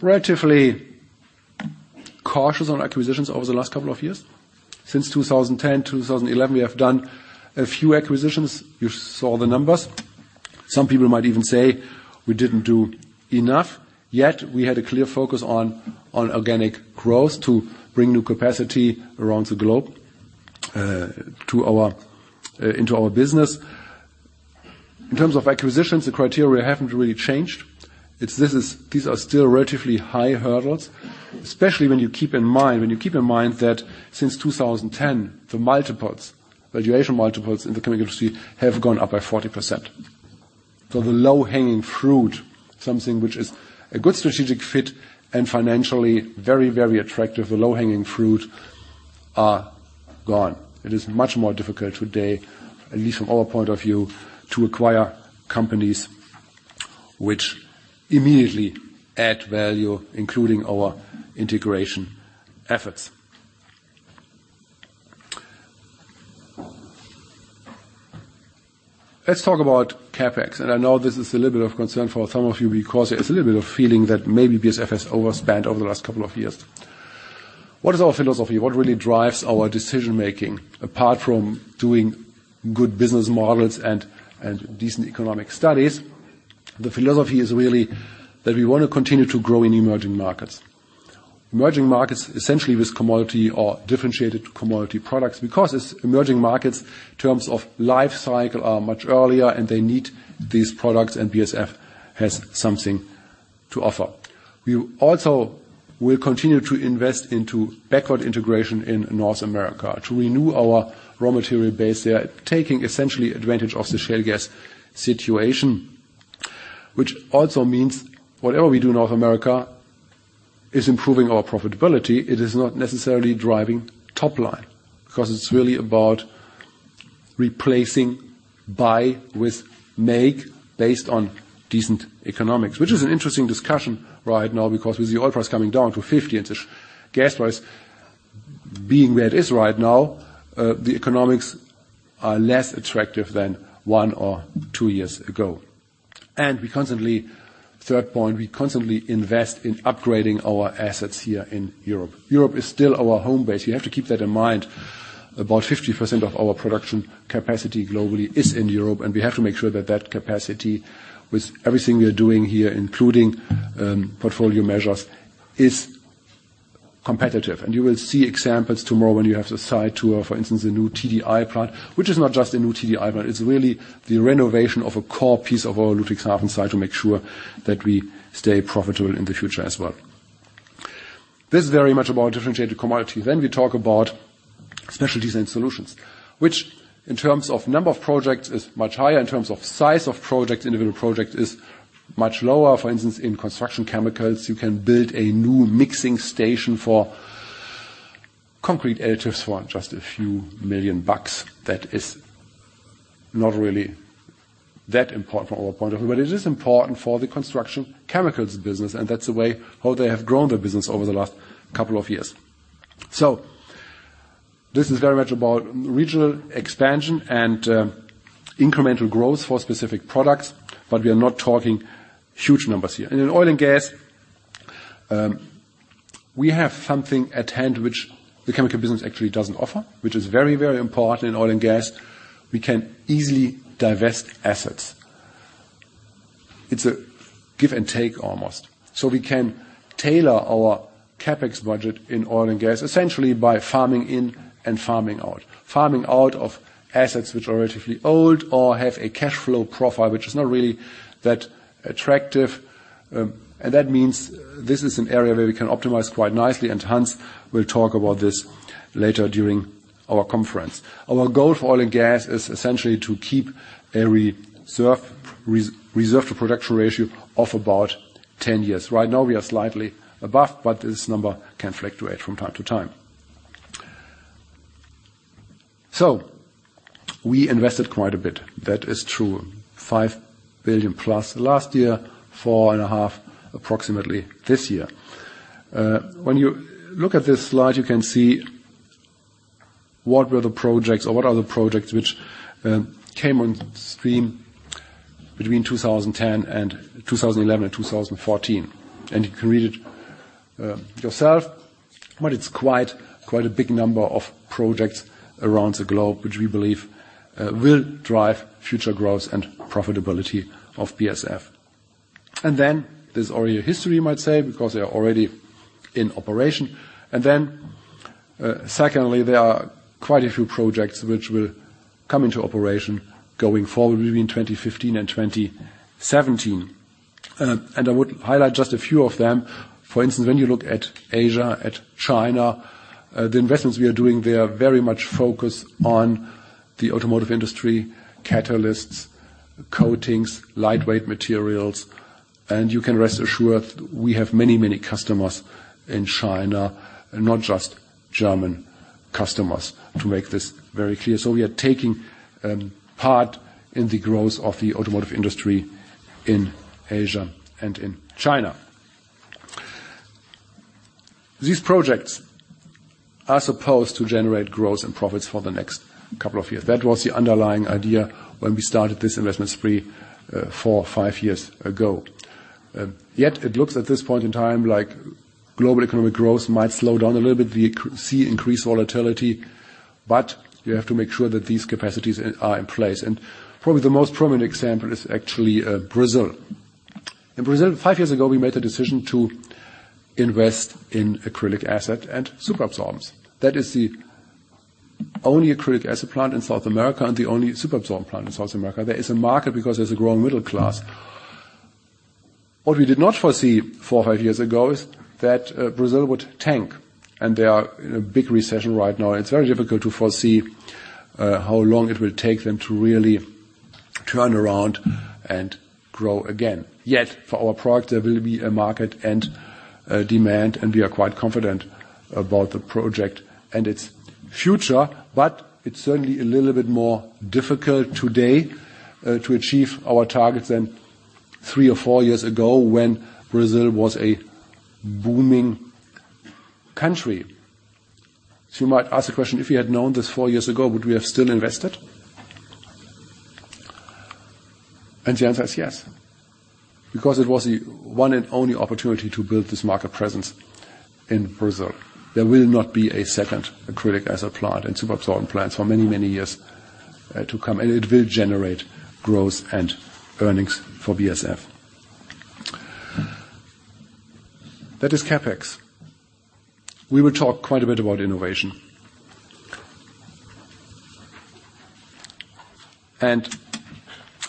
relatively cautious on acquisitions over the last couple of years. Since 2010, 2011, we have done a few acquisitions. You saw the numbers. Some people might even say we didn't do enough. Yet we had a clear focus on organic growth to bring new capacity around the globe into our business. In terms of acquisitions, the criteria haven't really changed. These are still relatively high hurdles, especially when you keep in mind that since 2010, the multiples, valuation multiples in the chemical industry have gone up by 40%. The low-hanging fruit, something which is a good strategic fit and financially very, very attractive, the low-hanging fruit are gone. It is much more difficult today, at least from our point of view, to acquire companies which immediately add value, including our integration efforts. Let's talk about CapEx, and I know this is a little bit of concern for some of you because there's a little bit of feeling that maybe BASF has overspent over the last couple of years. What is our philosophy? What really drives our decision-making apart from doing good business models and decent economic studies? The philosophy is really that we want to continue to grow in emerging markets. Emerging markets, essentially with commodity or differentiated commodity products because it's emerging markets in terms of life cycle are much earlier and they need these products and BASF has something to offer. We also will continue to invest into backward integration in North America to renew our raw material base there, taking essentially advantage of the shale gas situation, which also means whatever we do in North America is improving our profitability. It is not necessarily driving top line because it's really about replacing buy with make based on decent economics, which is an interesting discussion right now because with the oil price coming down to 50 and such, gas price being where it is right now, the economics are less attractive than one or two years ago. We constantly... Third point, we constantly invest in upgrading our assets here in Europe. Europe is still our home base. We have to keep that in mind. About 50% of our production capacity globally is in Europe, and we have to make sure that that capacity, with everything we are doing here, including portfolio measures, is competitive. You will see examples tomorrow when you have the site tour, for instance, the new TDI plant, which is not just a new TDI plant, it's really the renovation of a core piece of our Ludwigshafen site to make sure that we stay profitable in the future as well. This is very much about differentiated commodity. Then we talk about specially designed solutions, which in terms of number of projects is much higher, in terms of size of projects, individual project, is much lower. For instance, in construction chemicals, you can build a new mixing station for concrete additives for just a few million. That is not really that important from our point of view, but it is important for the construction chemicals business, and that's the way how they have grown their business over the last couple of years. This is very much about regional expansion and incremental growth for specific products, but we are not talking huge numbers here. In Oil & Gas, we have something at hand which the chemical business actually doesn't offer, which is very, very important in Oil & Gas. We can easily divest assets. It's a give and take almost. We can tailor our CapEx budget in Oil & Gas essentially by farming in and farming out. Farming out of assets which are relatively old or have a cash flow profile which is not really that attractive. That means this is an area where we can optimize quite nicely, and Hans will talk about this later during our conference. Our goal for Oil & Gas is essentially to keep a reserve to production ratio of about 10 years. Right now, we are slightly above, but this number can fluctuate from time to time. We invested quite a bit. That is true. 5 billion+ last year, 4.5 billion approximately this year. When you look at this slide, you can see what were the projects or what are the projects which came on stream between 2010 and 2011 and 2014. You can read it yourself, but it's quite a big number of projects around the globe, which we believe will drive future growth and profitability of BASF. There's already a history, you might say, because they are already in operation. Secondly, there are quite a few projects which will come into operation going forward between 2015 and 2017. I would highlight just a few of them. For instance, when you look at Asia, at China, the investments we are doing there very much focus on the automotive industry, catalysts, coatings, lightweight materials. You can rest assured we have many, many customers in China, not just German customers, to make this very clear. We are taking part in the growth of the automotive industry in Asia and in China. These projects are supposed to generate growth and profits for the next couple of years. That was the underlying idea when we started this investment spree four or five years ago. Yet it looks at this point in time like global economic growth might slow down a little bit. We see increased volatility, but we have to make sure that these capacities are in place. Probably the most prominent example is actually Brazil. In Brazil, five years ago, we made the decision to invest in acrylic acid and superabsorbers. That is the only acrylic acid plant in South America and the only superabsorber plant in South America. There is a market because there's a growing middle class. What we did not foresee four, five years ago is that Brazil would tank, and they are in a big recession right now. It's very difficult to foresee how long it will take them to really turn around and grow again. Yet for our product, there will be a market and demand, and we are quite confident about the project and its future. It's certainly a little bit more difficult today to achieve our targets than three or four years ago when Brazil was a booming country. You might ask the question, if you had known this four years ago, would we have still invested? The answer is yes, because it was the one and only opportunity to build this market presence in Brazil. There will not be a second acrylic acid plant and superabsorbent plants for many, many years to come, and it will generate growth and earnings for BASF. That is CapEx. We will talk quite a bit about innovation.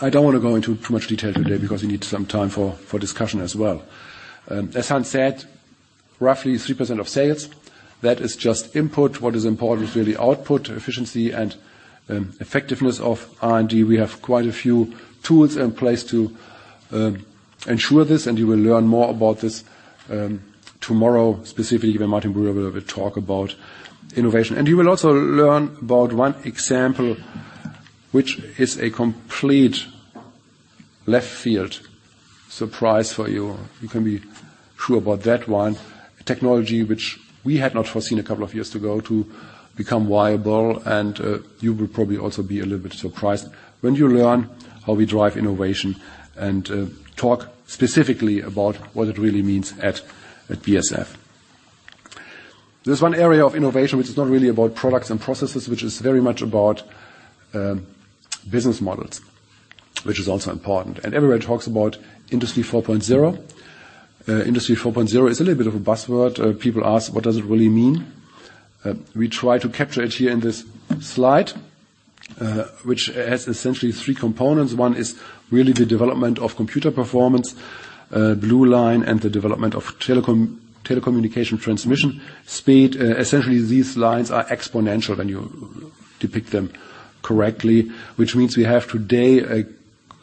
I don't want to go into too much detail today because we need some time for discussion as well. As Hans said, roughly 3% of sales, that is just input. What is important is really output efficiency and effectiveness of R&D. We have quite a few tools in place to ensure this, and you will learn more about this tomorrow. Specifically, when Martin Brudermüller will talk about innovation. You will also learn about one example, which is a complete left-field surprise for you. You can be sure about that one, technology which we had not foreseen a couple of years ago to become viable. You will probably also be a little bit surprised when you learn how we drive innovation and talk specifically about what it really means at BASF. There's one area of innovation which is not really about products and processes, which is very much about business models, which is also important. Everybody talks about Industry 4.0. Industry 4.0 is a little bit of a buzzword. People ask, what does it really mean? We try to capture it here in this slide, which has essentially three components. One is really the development of computer performance, blue line, and the development of telecommunication transmission speed. Essentially, these lines are exponential when you depict them correctly, which means we have today a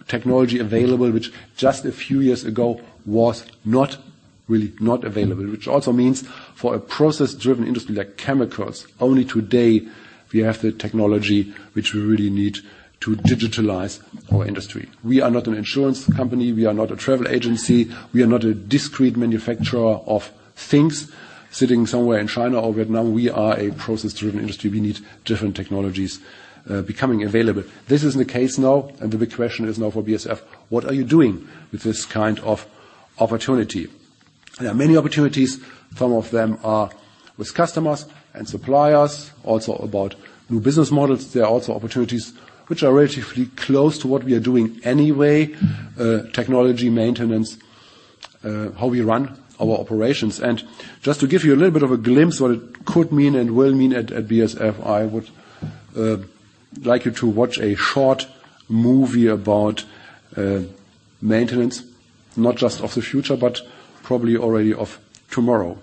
technology available which just a few years ago was not available. Which also means for a process-driven industry like chemicals, only today we have the technology which we really need to digitalize our industry. We are not an insurance company. We are not a travel agency. We are not a discrete manufacturer of things sitting somewhere in China or Vietnam. We are a process-driven industry. We need different technologies becoming available. This is the case now, and the big question is now for BASF, what are you doing with this kind of opportunity? There are many opportunities. Some of them are with customers and suppliers, also about new business models. There are also opportunities which are relatively close to what we are doing anyway, technology maintenance, how we run our operations. Just to give you a little bit of a glimpse what it could mean and will mean at BASF, I would like you to watch a short movie about maintenance, not just of the future, but probably already of tomorrow.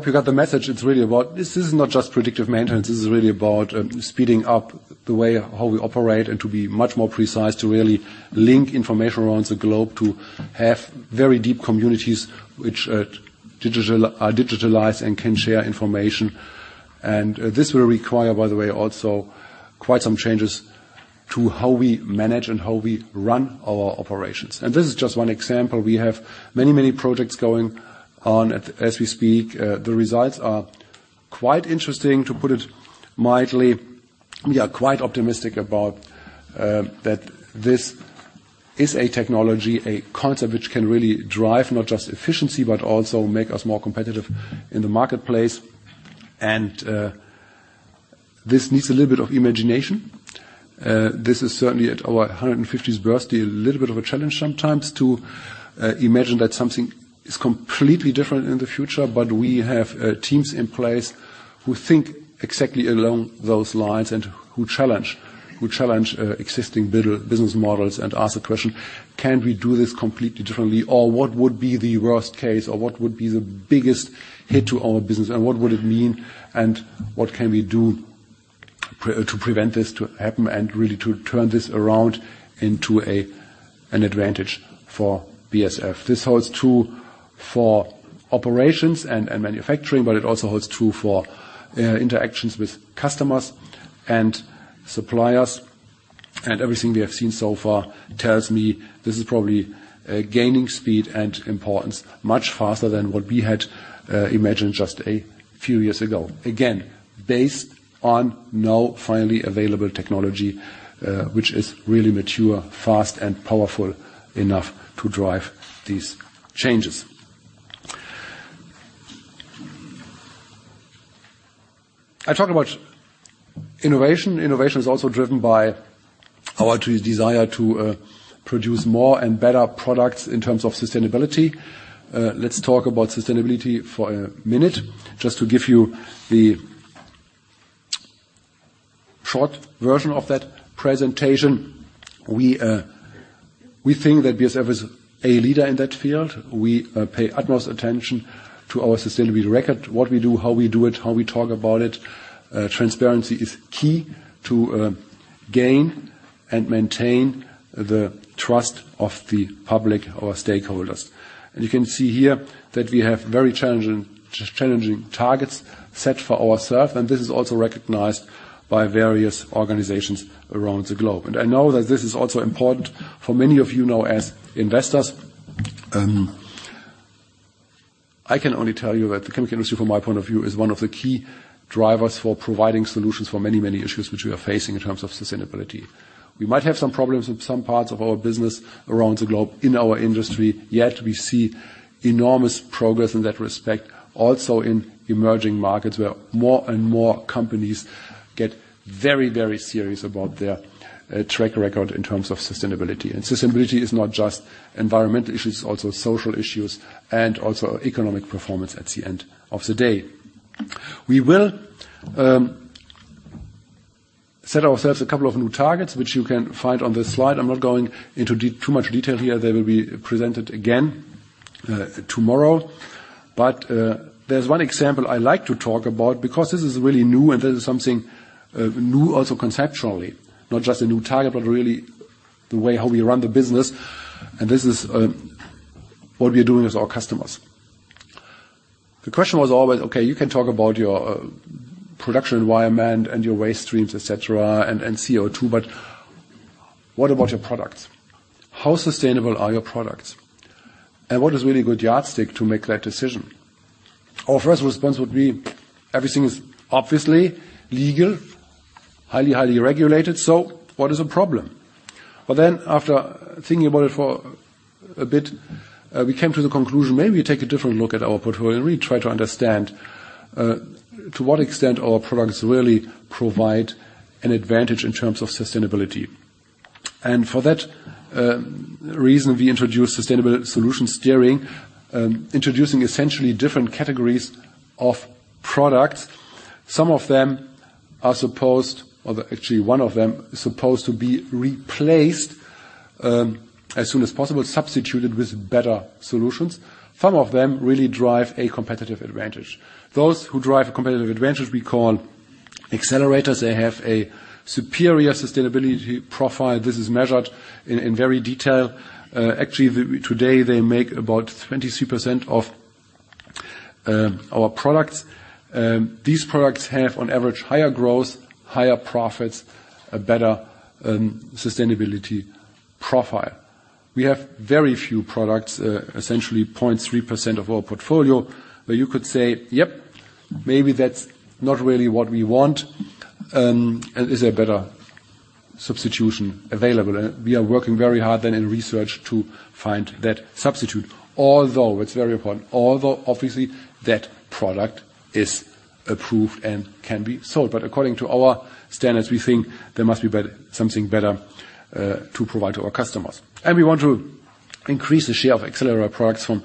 I hope you got the message. This is not just predictive maintenance, this is really about speeding up the way how we operate and to be much more precise, to really link information around the globe, to have very deep communities which are digitalized and can share information. This will require, by the way, also quite some changes to how we manage and how we run our operations. This is just one example. We have many, many projects going on as we speak. The results are quite interesting, to put it mildly. We are quite optimistic about that this is a technology, a concept which can really drive not just efficiency, but also make us more competitive in the marketplace. This needs a little bit of imagination. This is certainly at our 150th birthday, a little bit of a challenge sometimes to imagine that something is completely different in the future. We have teams in place who think exactly along those lines and who challenge existing business models and ask the question, "Can we do this completely differently?" Or, "What would be the worst case?" Or, "What would be the biggest hit to our business, and what would it mean, and what can we do to prevent this to happen and really to turn this around into an advantage for BASF?" This holds true for operations and manufacturing, but it also holds true for interactions with customers and suppliers. Everything we have seen so far tells me this is probably gaining speed and importance much faster than what we had imagined just a few years ago. Again, based on now finally available technology, which is really mature, fast, and powerful enough to drive these changes. I talked about innovation. Innovation is also driven by our desire to produce more and better products in terms of sustainability. Let's talk about sustainability for a minute. Just to give you the short version of that presentation. We think that BASF is a leader in that field. We pay utmost attention to our sustainability record, what we do, how we do it, how we talk about it. Transparency is key to gain and maintain the trust of the public or stakeholders. You can see here that we have very challenging targets set for ourselves, and this is also recognized by various organizations around the globe. I know that this is also important for many of you now as investors. I can only tell you that the chemical industry from my point of view is one of the key drivers for providing solutions for many, many issues which we are facing in terms of sustainability. We might have some problems with some parts of our business around the globe in our industry, yet we see enormous progress in that respect also in emerging markets, where more and more companies get very, very serious about their track record in terms of sustainability. Sustainability is not just environmental issues, it's also social issues and also economic performance at the end of the day. We will set ourselves a couple of new targets, which you can find on this slide. I'm not going into too much detail here. They will be presented again tomorrow. There's one example I like to talk about because this is really new, and this is something new also conceptually, not just a new target, but really the way how we run the business, and this is what we are doing with our customers. The question was always, okay, you can talk about your production environment and your waste streams, et cetera, and CO₂, but what about your products? How sustainable are your products, and what is really good yardstick to make that decision? Our first response would be, everything is obviously legal, highly regulated, so what is the problem? After thinking about it for a bit, we came to the conclusion, maybe we take a different look at our portfolio and really try to understand to what extent our products really provide an advantage in terms of sustainability. For that reason, we introduced Sustainable Solution Steering, introducing essentially different categories of products. Some of them are supposed, or actually one of them is supposed to be replaced as soon as possible, substituted with better solutions. Some of them really drive a competitive advantage. Those who drive a competitive advantage we call Accelerators. They have a superior sustainability profile. This is measured in very detail. Actually, today they make about 23% of our products. These products have on average higher growth, higher profits, a better sustainability profile. We have very few products, essentially 0.3% of our portfolio, where you could say, "Yep, maybe that's not really what we want, and is there better substitution available?" We are working very hard then in research to find that substitute. Although it's very important, although obviously that product is approved and can be sold. According to our standards, we think there must be something better to provide to our customers. We want to increase the share of Accelerators from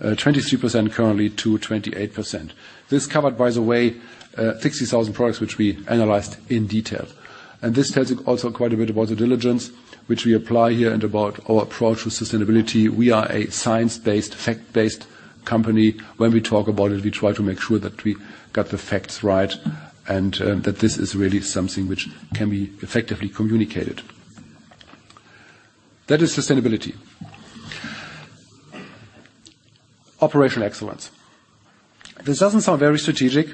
22% currently to 28%. This covered, by the way, 60,000 products which we analyzed in detail. This tells you also quite a bit about the diligence which we apply here and about our approach to sustainability. We are a science-based, fact-based company. When we talk about it, we try to make sure that we got the facts right and that this is really something which can be effectively communicated. That is sustainability. Operational excellence. This doesn't sound very strategic,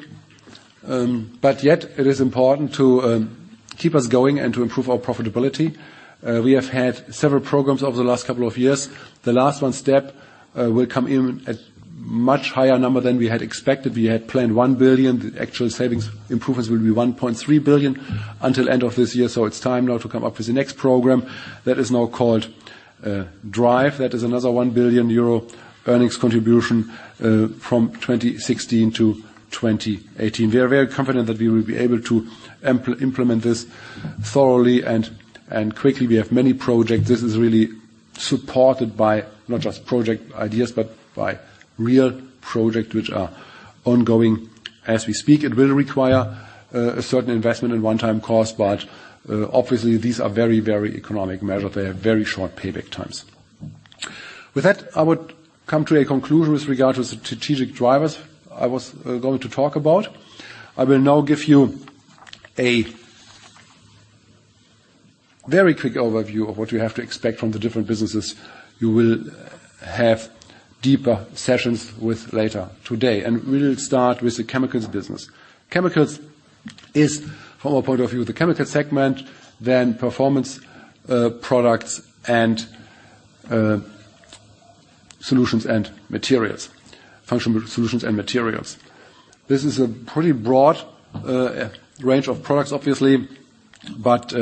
but yet it is important to keep us going and to improve our profitability. We have had several programs over the last couple of years. The last one, STEP, will come in at much higher number than we had expected. We had planned 1 billion. The actual savings improvements will be 1.3 billion until end of this year, so it's time now to come up with the next program. That is now called DRIVE. That is another 1 billion euro earnings contribution from 2016 to 2018. We are very confident that we will be able to implement this thoroughly and quickly. We have many projects. This is really supported by not just project ideas, but by real projects which are ongoing as we speak. It will require a certain investment and one-time cost, but obviously these are very, very economic measure. They have very short payback times. With that, I would come to a conclusion with regard to the strategic drivers I was going to talk about. I will now give you a very quick overview of what you have to expect from the different businesses you will have deeper sessions with later today. We'll start with the Chemicals business. Chemicals is, from our point of view, the chemical segment, then Performance Products and solutions and materials. Functional solutions and materials. This is a pretty broad range of products, obviously, but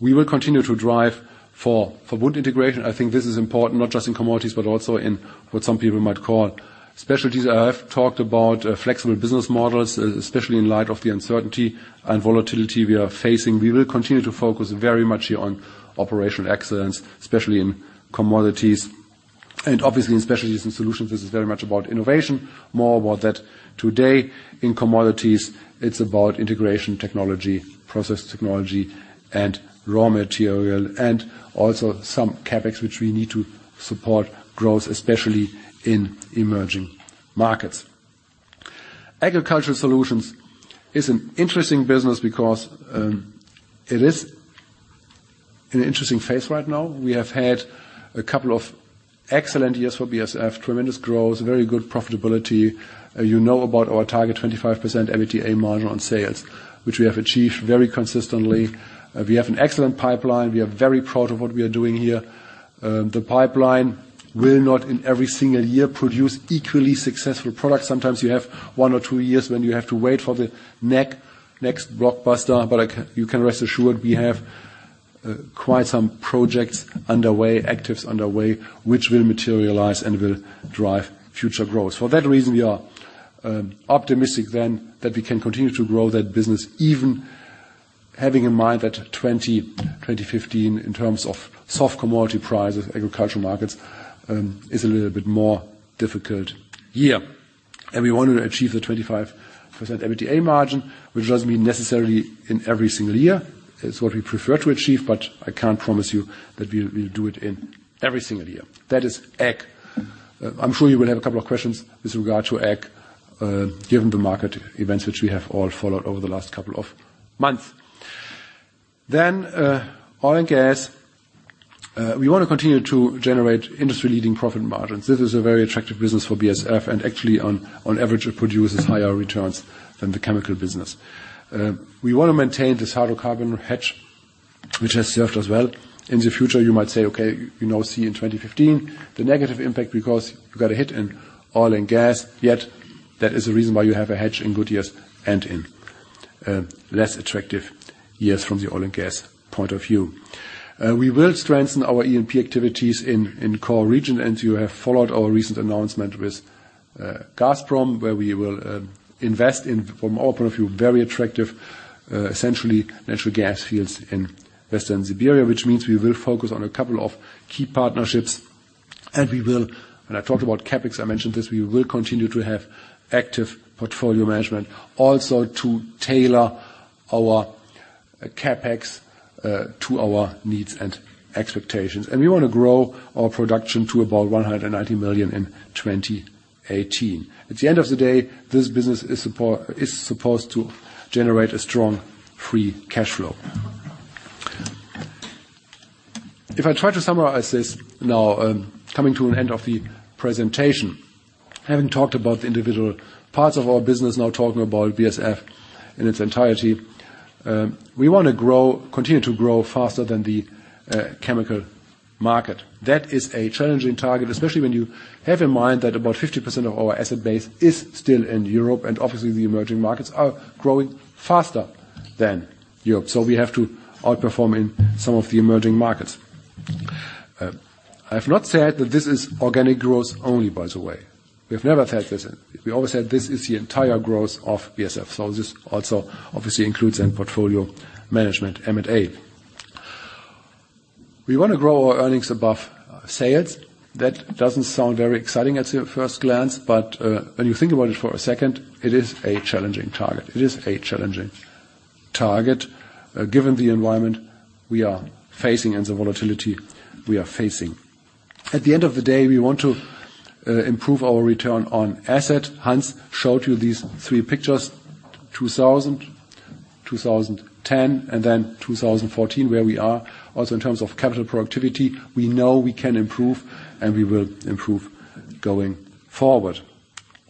we will continue to drive for Verbund integration. I think this is important not just in commodities, but also in what some people might call specialties. I have talked about flexible business models, especially in light of the uncertainty and volatility we are facing. We will continue to focus very much on operational excellence, especially in commodities and obviously in specialties and solutions. This is very much about innovation. More about that today. In commodities, it's about integration technology, process technology and raw material, and also some CapEx which we need to support growth, especially in emerging markets. Agricultural Solutions is an interesting business because it is an interesting phase right now. We have had a couple of excellent years for BASF, tremendous growth, very good profitability. You know about our target 25% EBITDA margin on sales, which we have achieved very consistently. We have an excellent pipeline. We are very proud of what we are doing here. The pipeline will not in every single year produce equally successful products. Sometimes you have one or two years when you have to wait for the next blockbuster. You can rest assured we have quite some projects underway, actives underway, which will materialize and will drive future growth. For that reason, we are optimistic then that we can continue to grow that business. Even having in mind that 2015 in terms of soft commodity prices, agricultural markets, is a little bit more difficult year, and we want to achieve the 25% EBITDA margin, which doesn't mean necessarily in every single year. It's what we prefer to achieve. I can't promise you that we'll do it in every single year. That is Ag. I'm sure you will have a couple of questions with regard to Ag, given the market events which we have all followed over the last couple of months. Then, Oil & Gas. We want to continue to generate industry-leading profit margins. This is a very attractive business for BASF and actually on average, it produces higher returns than the chemical business. We want to maintain this hydrocarbon hedge which has served us well. In the future, you might say, okay, we now see in 2015 the negative impact because we got a hit in Oil & Gas. Yet that is the reason why you have a hedge in good years and in less attractive years from the Oil & Gas point of view. We will strengthen our E&P activities in core region. You have followed our recent announcement with Gazprom, where we will invest in, from our point of view, very attractive essentially natural gas fields in Western Siberia, which means we will focus on a couple of key partnerships and we will. When I talked about CapEx, I mentioned this. We will continue to have active portfolio management also to tailor our CapEx to our needs and expectations. We want to grow our production to about 190 million in 2018. At the end of the day, this business is supposed to generate a strong free cash flow. If I try to summarize this now, coming to an end of the presentation, having talked about the individual parts of our business, now talking about BASF in its entirety, we want to grow, continue to grow faster than the chemical market. That is a challenging target, especially when you have in mind that about 50% of our asset base is still in Europe, and obviously the emerging markets are growing faster than Europe. We have to outperform in some of the emerging markets. I have not said that this is organic growth only, by the way. We've never had this. We always said this is the entire growth of BASF. This also obviously includes in portfolio management M&A. We wanna grow our earnings above sales. That doesn't sound very exciting at first glance, but when you think about it for a second, it is a challenging target, given the environment we are facing and the volatility we are facing. At the end of the day, we want to improve our return on asset. Hans showed you these three pictures, 2000, 2010, and then 2014, where we are also in terms of capital productivity. We know we can improve, and we will improve going forward.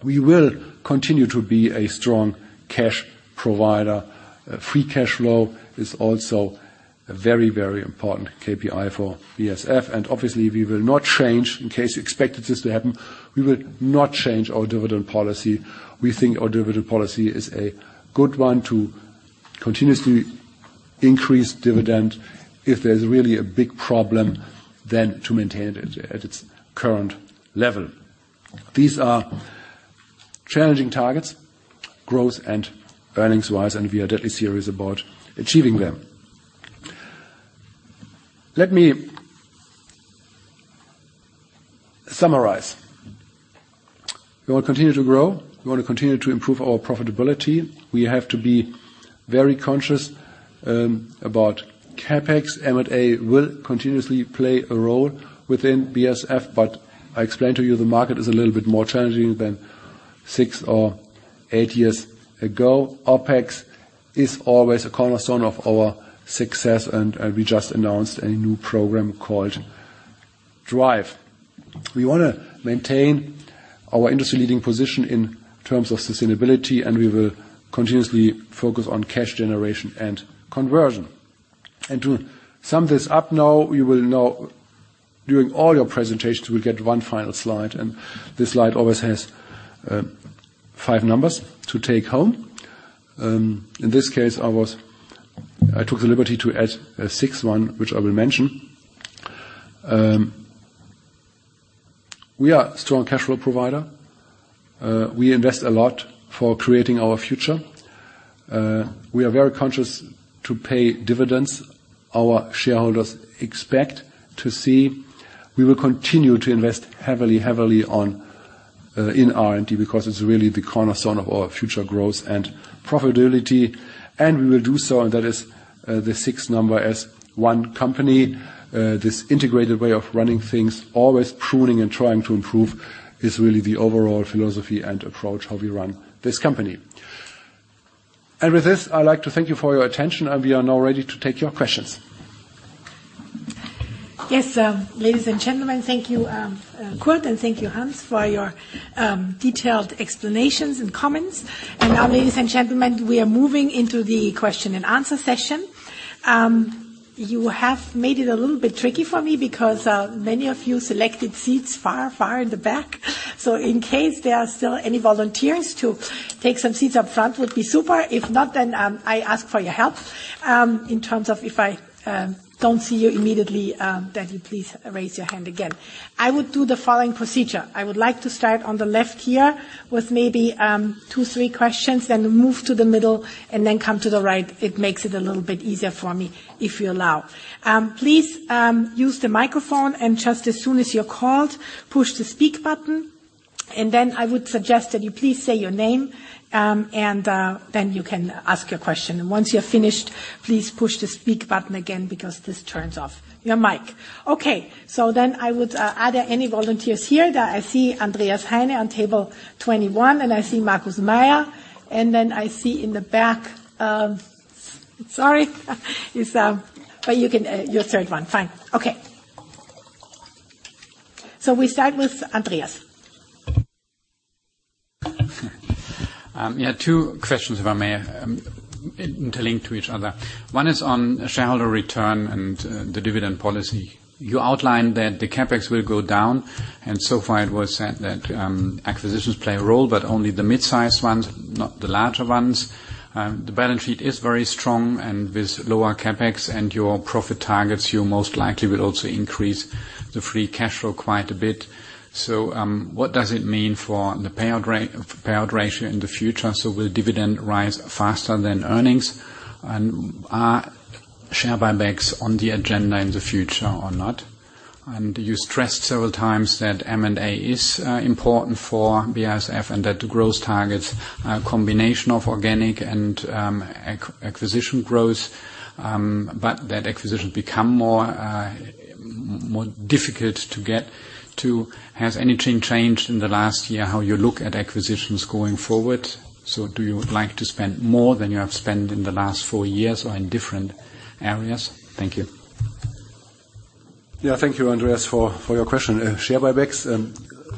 We will continue to be a strong cash provider. Free cash flow is also a very, very important KPI for BASF, and obviously we will not change, in case you expected this to happen, we will not change our dividend policy. We think our dividend policy is a good one to continuously increase dividend. If there's really a big problem, then to maintain it at its current level. These are challenging targets, growth and earnings-wise, and we are deadly serious about achieving them. Let me summarize. We want to continue to grow. We want to continue to improve our profitability. We have to be very conscious about CapEx. M&A will continuously play a role within BASF, but I explained to you, the market is a little bit more challenging than six or eight years ago. OpEx is always a cornerstone of our success, and we just announced a new program called DrivE. We wanna maintain our industry leading position in terms of sustainability, and we will continuously focus on cash generation and conversion. To sum this up now, during all your presentations, we'll get one final slide, and this slide always has five numbers to take home. In this case, I took the liberty to add a sixth one, which I will mention. We are a strong cash flow provider. We invest a lot for creating our future. We are very conscious to pay dividends our shareholders expect to see. We will continue to invest heavily in R&D because it's really the cornerstone of our future growth and profitability. We will do so, and that is the sixth number. As one company, this integrated way of running things, always pruning and trying to improve, is really the overall philosophy and approach how we run this company. With this, I'd like to thank you for your attention, and we are now ready to take your questions. Yes, ladies and gentlemen, thank you, Kurt, and thank you, Hans, for your detailed explanations and comments. Now, ladies and gentlemen, we are moving into the question and answer session. You have made it a little bit tricky for me because many of you selected seats far, far in the back. In case there are still any volunteers to take some seats up front would be super. If not, then I ask for your help in terms of if I don't see you immediately that you please raise your hand again. I would do the following procedure. I would like to start on the left here with maybe two, three questions, then move to the middle and then come to the right. It makes it a little bit easier for me, if you allow. Please, use the microphone and just as soon as you're called, push the speak button. I would suggest that you please say your name, and then you can ask your question. Once you're finished, please push the speak button again because this turns off your mic. Okay. Are there any volunteers here? I see Andreas Heine on table 21, and I see Markus Mayer, and then I see in the back. Sorry. It's, but you can, you're third one. Fine. Okay. We start with Andreas. Yeah, two questions, if I may, interlinked to each other. One is on shareholder return and the dividend policy. You outlined that the CapEx will go down, and so far it was said that acquisitions play a role, but only the mid-size ones, not the larger ones. The balance sheet is very strong, and with lower CapEx and your profit targets, you most likely will also increase the free cash flow quite a bit. What does it mean for the payout ratio in the future? Will dividend rise faster than earnings? Are share buybacks on the agenda in the future or not? You stressed several times that M&A is important for BASF and that the growth targets are a combination of organic and acquisition growth, but that acquisitions become more difficult to get to. Has anything changed in the last year how you look at acquisitions going forward? Do you like to spend more than you have spent in the last four years or in different areas? Thank you. Yeah. Thank you, Andreas, for your question. Share buybacks,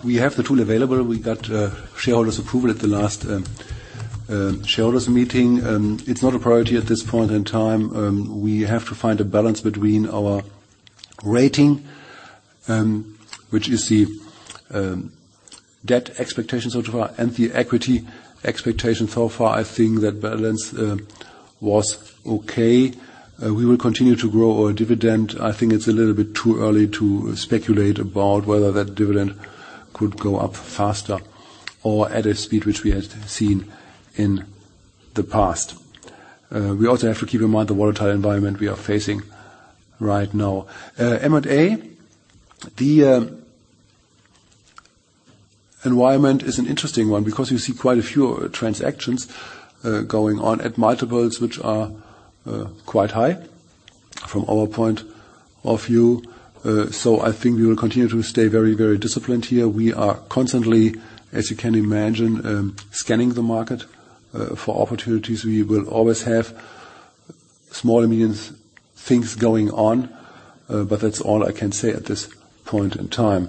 we have the tool available. We got shareholders approval at the last shareholders meeting. It's not a priority at this point in time. We have to find a balance between our rating, which is the debt expectations so far and the equity expectations so far. I think that balance was okay. We will continue to grow our dividend. I think it's a little bit too early to speculate about whether that dividend could go up faster or at a speed which we have seen in the past. We also have to keep in mind the volatile environment we are facing right now. M&A, the environment is an interesting one because you see quite a few transactions going on at multiples which are quite high from our point of view. I think we will continue to stay very, very disciplined here. We are constantly, as you can imagine, scanning the market for opportunities. We will always have small millions things going on, but that's all I can say at this point in time.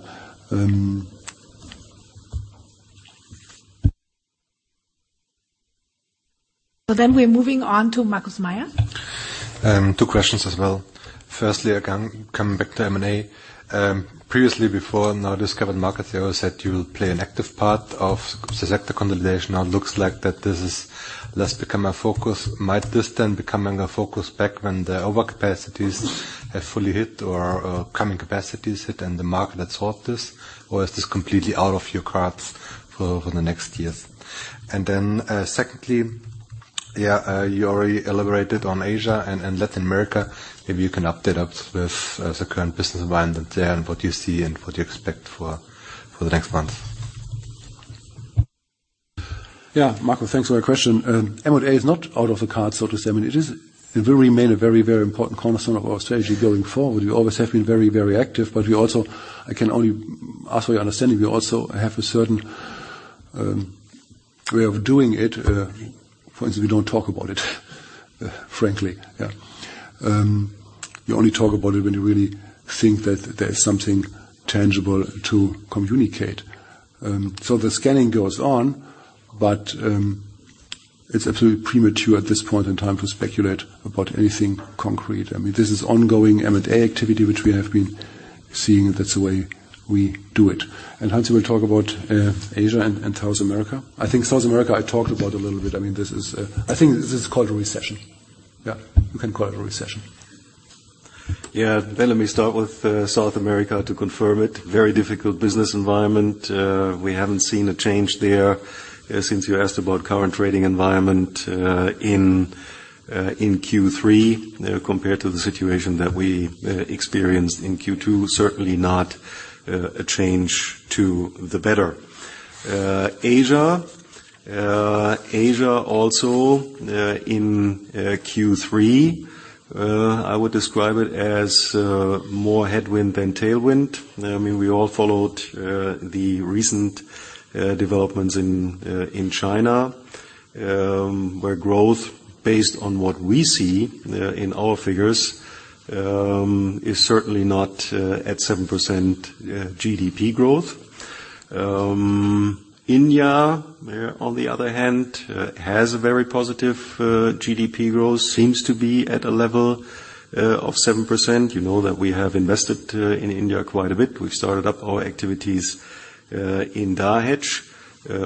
We're moving on to Markus Mayer. Two questions as well. Firstly, again, coming back to M&A. Previously, before now discovering market theory, you said you'll play an active part of the sector consolidation. Now looks like that this has less become a focus. Might this then become a focus back when the over capacities have fully hit or coming capacities hit and the market absorbs this? Or is this completely out of your cards for the next years? Secondly, yeah, you already elaborated on Asia and Latin America. Maybe you can update us with the current business environment there and what you see and what you expect for the next month. Markus, thanks for that question. M&A is not out of the cards, so to say. I mean, it will remain a very, very important cornerstone of our strategy going forward. We always have been very, very active, but we also have a certain way of doing it. For instance, we don't talk about it, frankly. You only talk about it when you really think that there is something tangible to communicate. So the scanning goes on, but it's absolutely premature at this point in time to speculate about anything concrete. I mean, this is ongoing M&A activity which we have been seeing. That's the way we do it. Hans will talk about Asia and South America. I think South America, I talked about a little bit. I mean, this is, I think this is called a recession. Yeah, you can call it a recession. Yeah. Let me start with South America to confirm it. Very difficult business environment. We haven't seen a change there since you asked about current trading environment in Q3 compared to the situation that we experienced in Q2. Certainly not a change to the better. Asia also, in Q3, I would describe it as more headwind than tailwind. I mean, we all followed the recent developments in China, where growth, based on what we see in our figures, is certainly not at 7% GDP growth. India, on the other hand, has a very positive GDP growth. Seems to be at a level of 7%. You know that we have invested in India quite a bit. We've started up our activities in Dahej,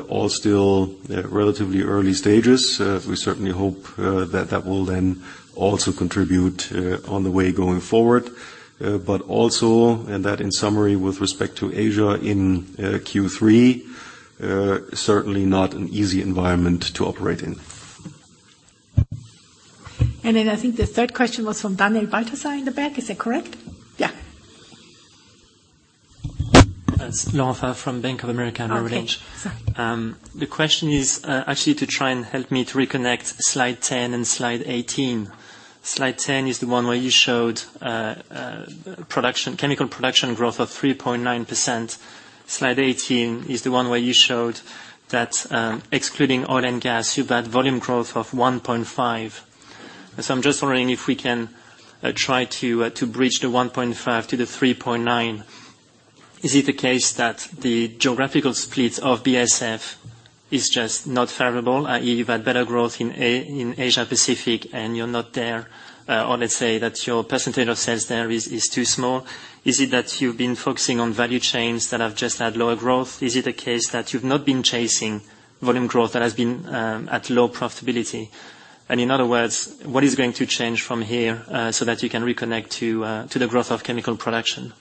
all still relatively early stages. We certainly hope that will then also contribute on the way going forward. Also, and that in summary, with respect to Asia in Q3, certainly not an easy environment to operate in. I think the third question was from Daniel Balthasar in the back. Is that correct? Yeah. It's Laurent from Bank of America and Merrill Lynch. Okay. Sorry. The question is actually to try and help me to reconnect slide 10 and slide 18. Slide 10 is the one where you showed production, chemical production growth of 3.9%. Slide 18 is the one where you showed that excluding Oil & Gas, you've had volume growth of 1.5. I'm just wondering if we can try to bridge the 1.5 to the 3.9. Is it the case that the geographical split of BASF is just not favorable, i.e., you've had better growth in Asia-Pacific and you're not there? Let's say that your percentage of sales there is too small. Is it that you've been focusing on value chains that have just had lower growth? Is it a case that you've not been chasing volume growth that has been at low profitability? In other words, what is going to change from here, so that you can reconnect to the growth of chemical production?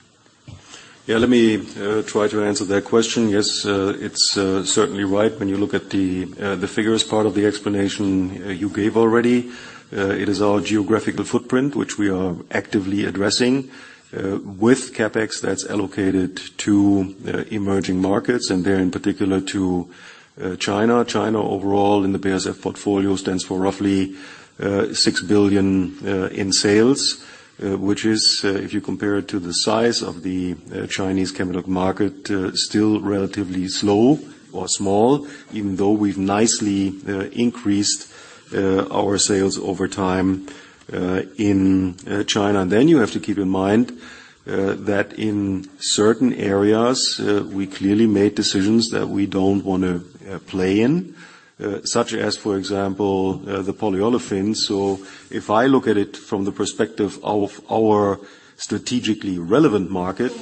Yeah, let me try to answer that question. Yes, it's certainly right when you look at the figures part of the explanation you gave already. It is our geographical footprint, which we are actively addressing with CapEx that's allocated to emerging markets and there, in particular, to China. China overall in the BASF portfolio stands for roughly 6 billion in sales, which is, if you compare it to the size of the Chinese chemical market, still relatively slow or small, even though we've nicely increased our sales over time in China. Then you have to keep in mind that in certain areas we clearly made decisions that we don't wanna play in, such as, for example, the polyolefins. If I look at it from the perspective of our strategically relevant market,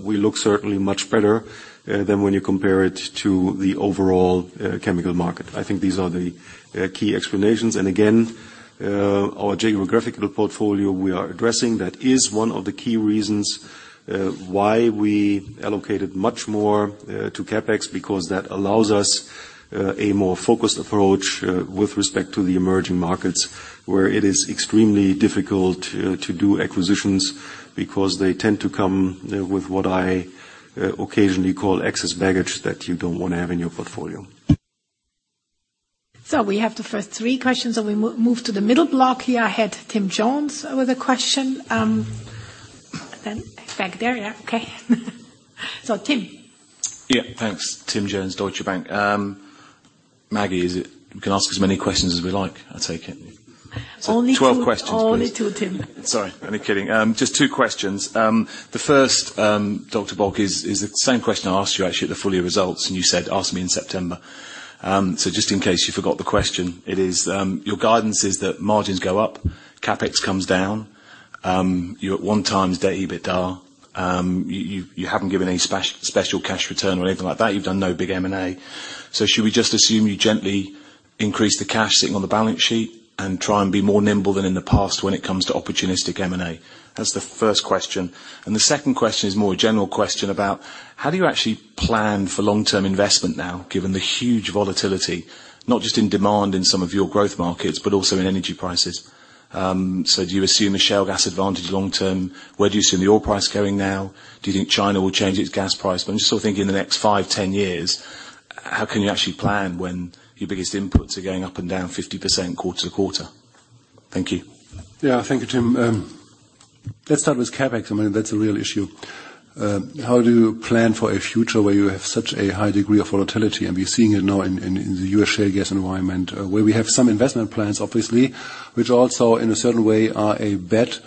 we look certainly much better than when you compare it to the overall chemical market. I think these are the key explanations. Again, our geographical portfolio we are addressing, that is one of the key reasons Why we allocated much more to CapEx because that allows us a more focused approach with respect to the emerging markets where it is extremely difficult to do acquisitions because they tend to come with what I occasionally call excess baggage that you don't want to have in your portfolio. We have the first three questions, and we move to the middle block here. I had Tim Jones with a question. Back there, yeah. Okay. Tim. Yeah. Thanks. Tim Jones, Deutsche Bank. Maggie, is it we can ask as many questions as we like, I take it? Only two. 12 questions, please. Only two, Tim. Sorry. Only kidding. Just two questions. The first, Dr. Bock, is the same question I asked you actually at the full year results, and you said, "Ask me in September." So just in case you forgot the question, it is your guidance is that margins go up, CapEx comes down. You're at one times net debt to EBITDA. You haven't given any special cash return or anything like that. You've done no big M&A. Should we just assume you gently increase the cash sitting on the balance sheet and try and be more nimble than in the past when it comes to opportunistic M&A? That's the first question. The second question is more a general question about how do you actually plan for long-term investment now, given the huge volatility, not just in demand in some of your growth markets but also in energy prices? Do you assume a shale gas advantage long term? Where do you see the oil price going now? Do you think China will change its gas price? I'm just sort of thinking in the next five, 10 years, how can you actually plan when your biggest inputs are going up and down 50% quarter to quarter? Thank you. Yeah. Thank you, Tim. Let's start with CapEx. I mean, that's a real issue. How do you plan for a future where you have such a high degree of volatility? We're seeing it now in the U.S. shale gas environment, where we have some investment plans, obviously, which also, in a certain way, are a bet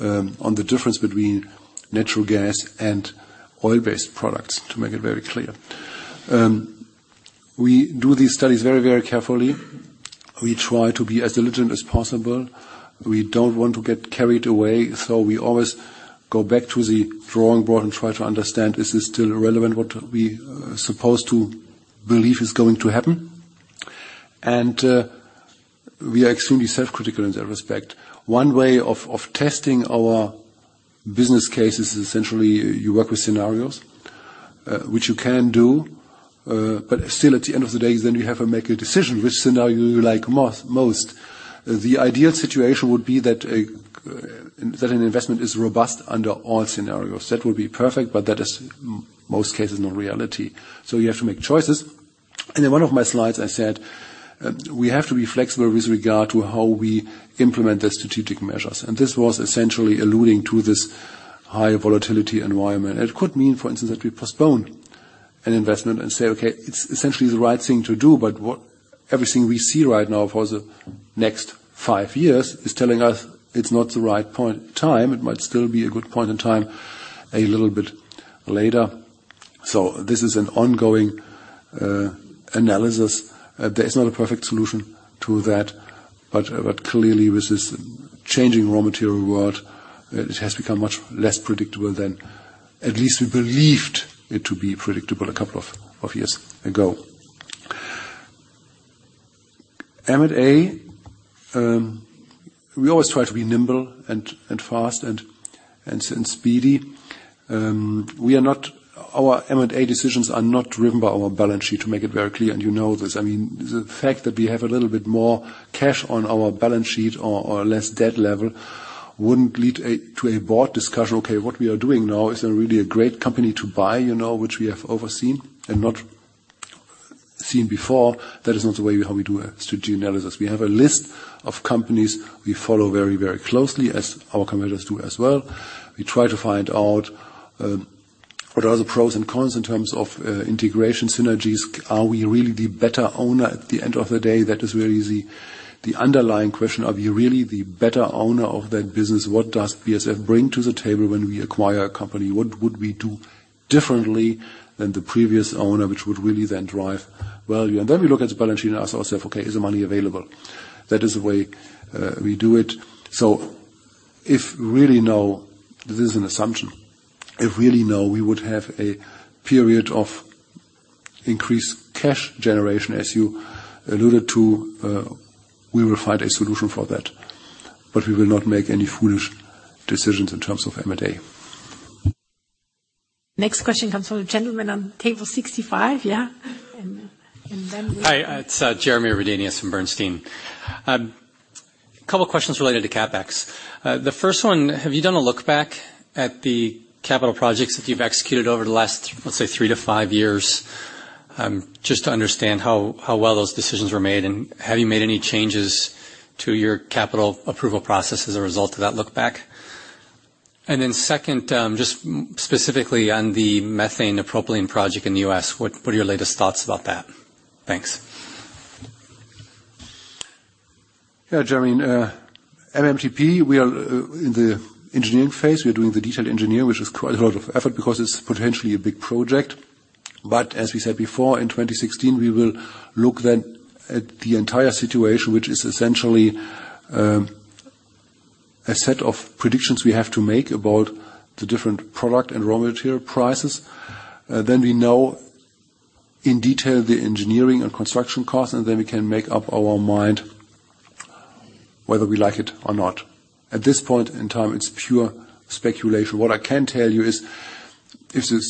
on the difference between natural gas and oil-based products, to make it very clear. We do these studies very, very carefully. We try to be as diligent as possible. We don't want to get carried away, so we always go back to the drawing board and try to understand, is this still relevant, what we are supposed to believe is going to happen? We are extremely self-critical in that respect. One way of testing our business case is essentially you work with scenarios, which you can do, but still at the end of the day, then you have to make a decision which scenario you like most. The ideal situation would be that an investment is robust under all scenarios. That would be perfect, but that is most cases not reality. You have to make choices. In one of my slides, I said, we have to be flexible with regard to how we implement the strategic measures, and this was essentially alluding to this high volatility environment. It could mean, for instance, that we postpone an investment and say, "Okay, it's essentially the right thing to do," but what everything we see right now for the next five years is telling us it's not the right point in time. It might still be a good point in time a little bit later. This is an ongoing analysis. There is not a perfect solution to that. Clearly, with this changing raw material world, it has become much less predictable than at least we believed it to be predictable a couple of years ago. M&A, we always try to be nimble and fast and speedy. Our M&A decisions are not driven by our balance sheet, to make it very clear, and you know this. I mean, the fact that we have a little bit more cash on our balance sheet or a less debt level wouldn't lead to a board discussion, "Okay, what we are doing now is really a great company to buy, you know, which we have overseen and not seen before." That is not the way how we do a strategic analysis. We have a list of companies we follow very, very closely, as our competitors do as well. We try to find out what are the pros and cons in terms of integration synergies. Are we really the better owner at the end of the day? That is where you see the underlying question. Are we really the better owner of that business? What does BASF bring to the table when we acquire a company? What would we do differently than the previous owner, which would really then drive value? And then we look at the balance sheet and ask ourselves, "Okay, is the money available?" That is the way we do it. If we really know, this is an assumption. If we really know we would have a period of increased cash generation, as you alluded to, we will find a solution for that. We will not make any foolish decisions in terms of M&A. Next question comes from the gentleman on table 65. Yeah. Hi. It's Jeremy Redenius from Bernstein. Couple of questions related to CapEx. The first one, have you done a look back at the capital projects that you've executed over the last, let's say, three to five years, just to understand how well those decisions were made, and have you made any changes to your capital approval process as a result of that look back? Second, just specifically on the methane-to-propylene project in the U.S., what are your latest thoughts about that? Thanks. Yeah, Jeremy. MTP, we are in the engineering phase. We're doing the detailed engineering, which is quite a lot of effort because it's potentially a big project. As we said before, in 2016, we will look then at the entire situation, which is essentially a set of predictions we have to make about the different product and raw material prices. Then we know in detail the engineering and construction costs, and then we can make up our mind whether we like it or not. At this point in time, it's pure speculation. What I can tell you is, if this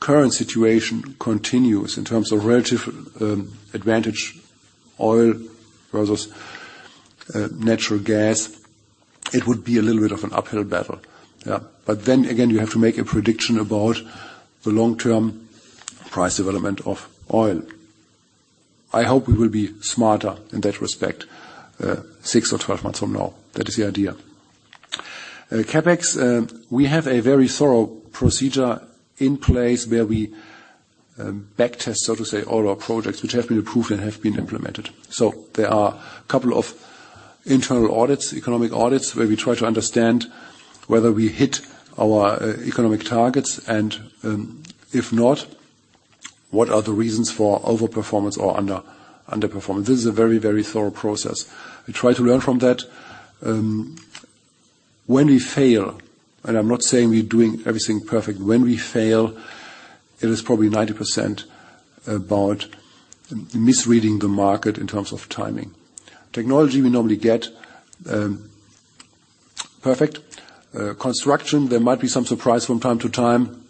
current situation continues in terms of relative advantage of oil versus natural gas, it would be a little bit of an uphill battle. Yeah. Then again, you have to make a prediction about the long-term price development of oil. I hope we will be smarter in that respect, six or 12 months from now. That is the idea. CapEx, we have a very thorough procedure in place where we backtest, so to say, all our projects which have been approved and have been implemented. There are a couple of internal audits, economic audits, where we try to understand whether we hit our economic targets, and if not, what are the reasons for over performance or under performance. This is a very, very thorough process. We try to learn from that. When we fail, and I'm not saying we're doing everything perfect. When we fail, it is probably 90% about misreading the market in terms of timing. Technology, we normally get perfect. Construction, there might be some surprise from time to time.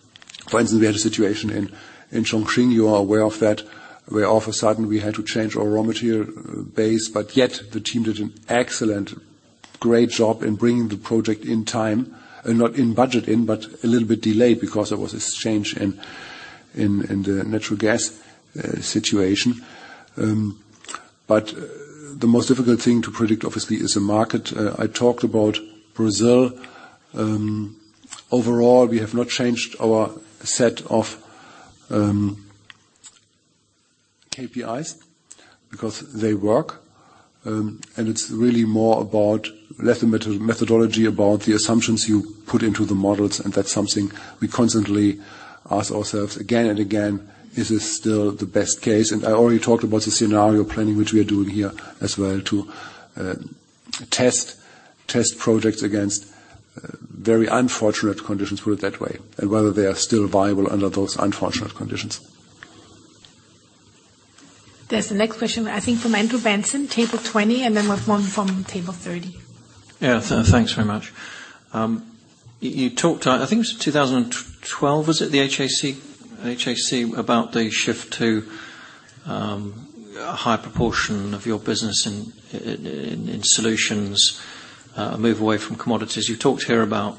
For instance, we had a situation in Chongqing. You are aware of that, where all of a sudden we had to change our raw material base, but yet the team did an excellent great job in bringing the project on time and on budget, but a little bit delayed because there was this change in the natural gas situation. The most difficult thing to predict, obviously, is the market. I talked about Brazil. Overall, we have not changed our set of KPIs because they work. It's really more about less methodology, about the assumptions you put into the models, and that's something we constantly ask ourselves again and again. Is this still the best case? I already talked about the scenario planning, which we are doing here as well to test projects against very unfortunate conditions, put it that way, and whether they are still viable under those unfortunate conditions. There's the next question, I think from Andrew Benson, table 20, and then we have one from table 30. Yeah. Thanks very much. You talked, I think it was 2012, was it, the HAC about the shift to a higher proportion of your business in solutions, move away from commodities. You talked here about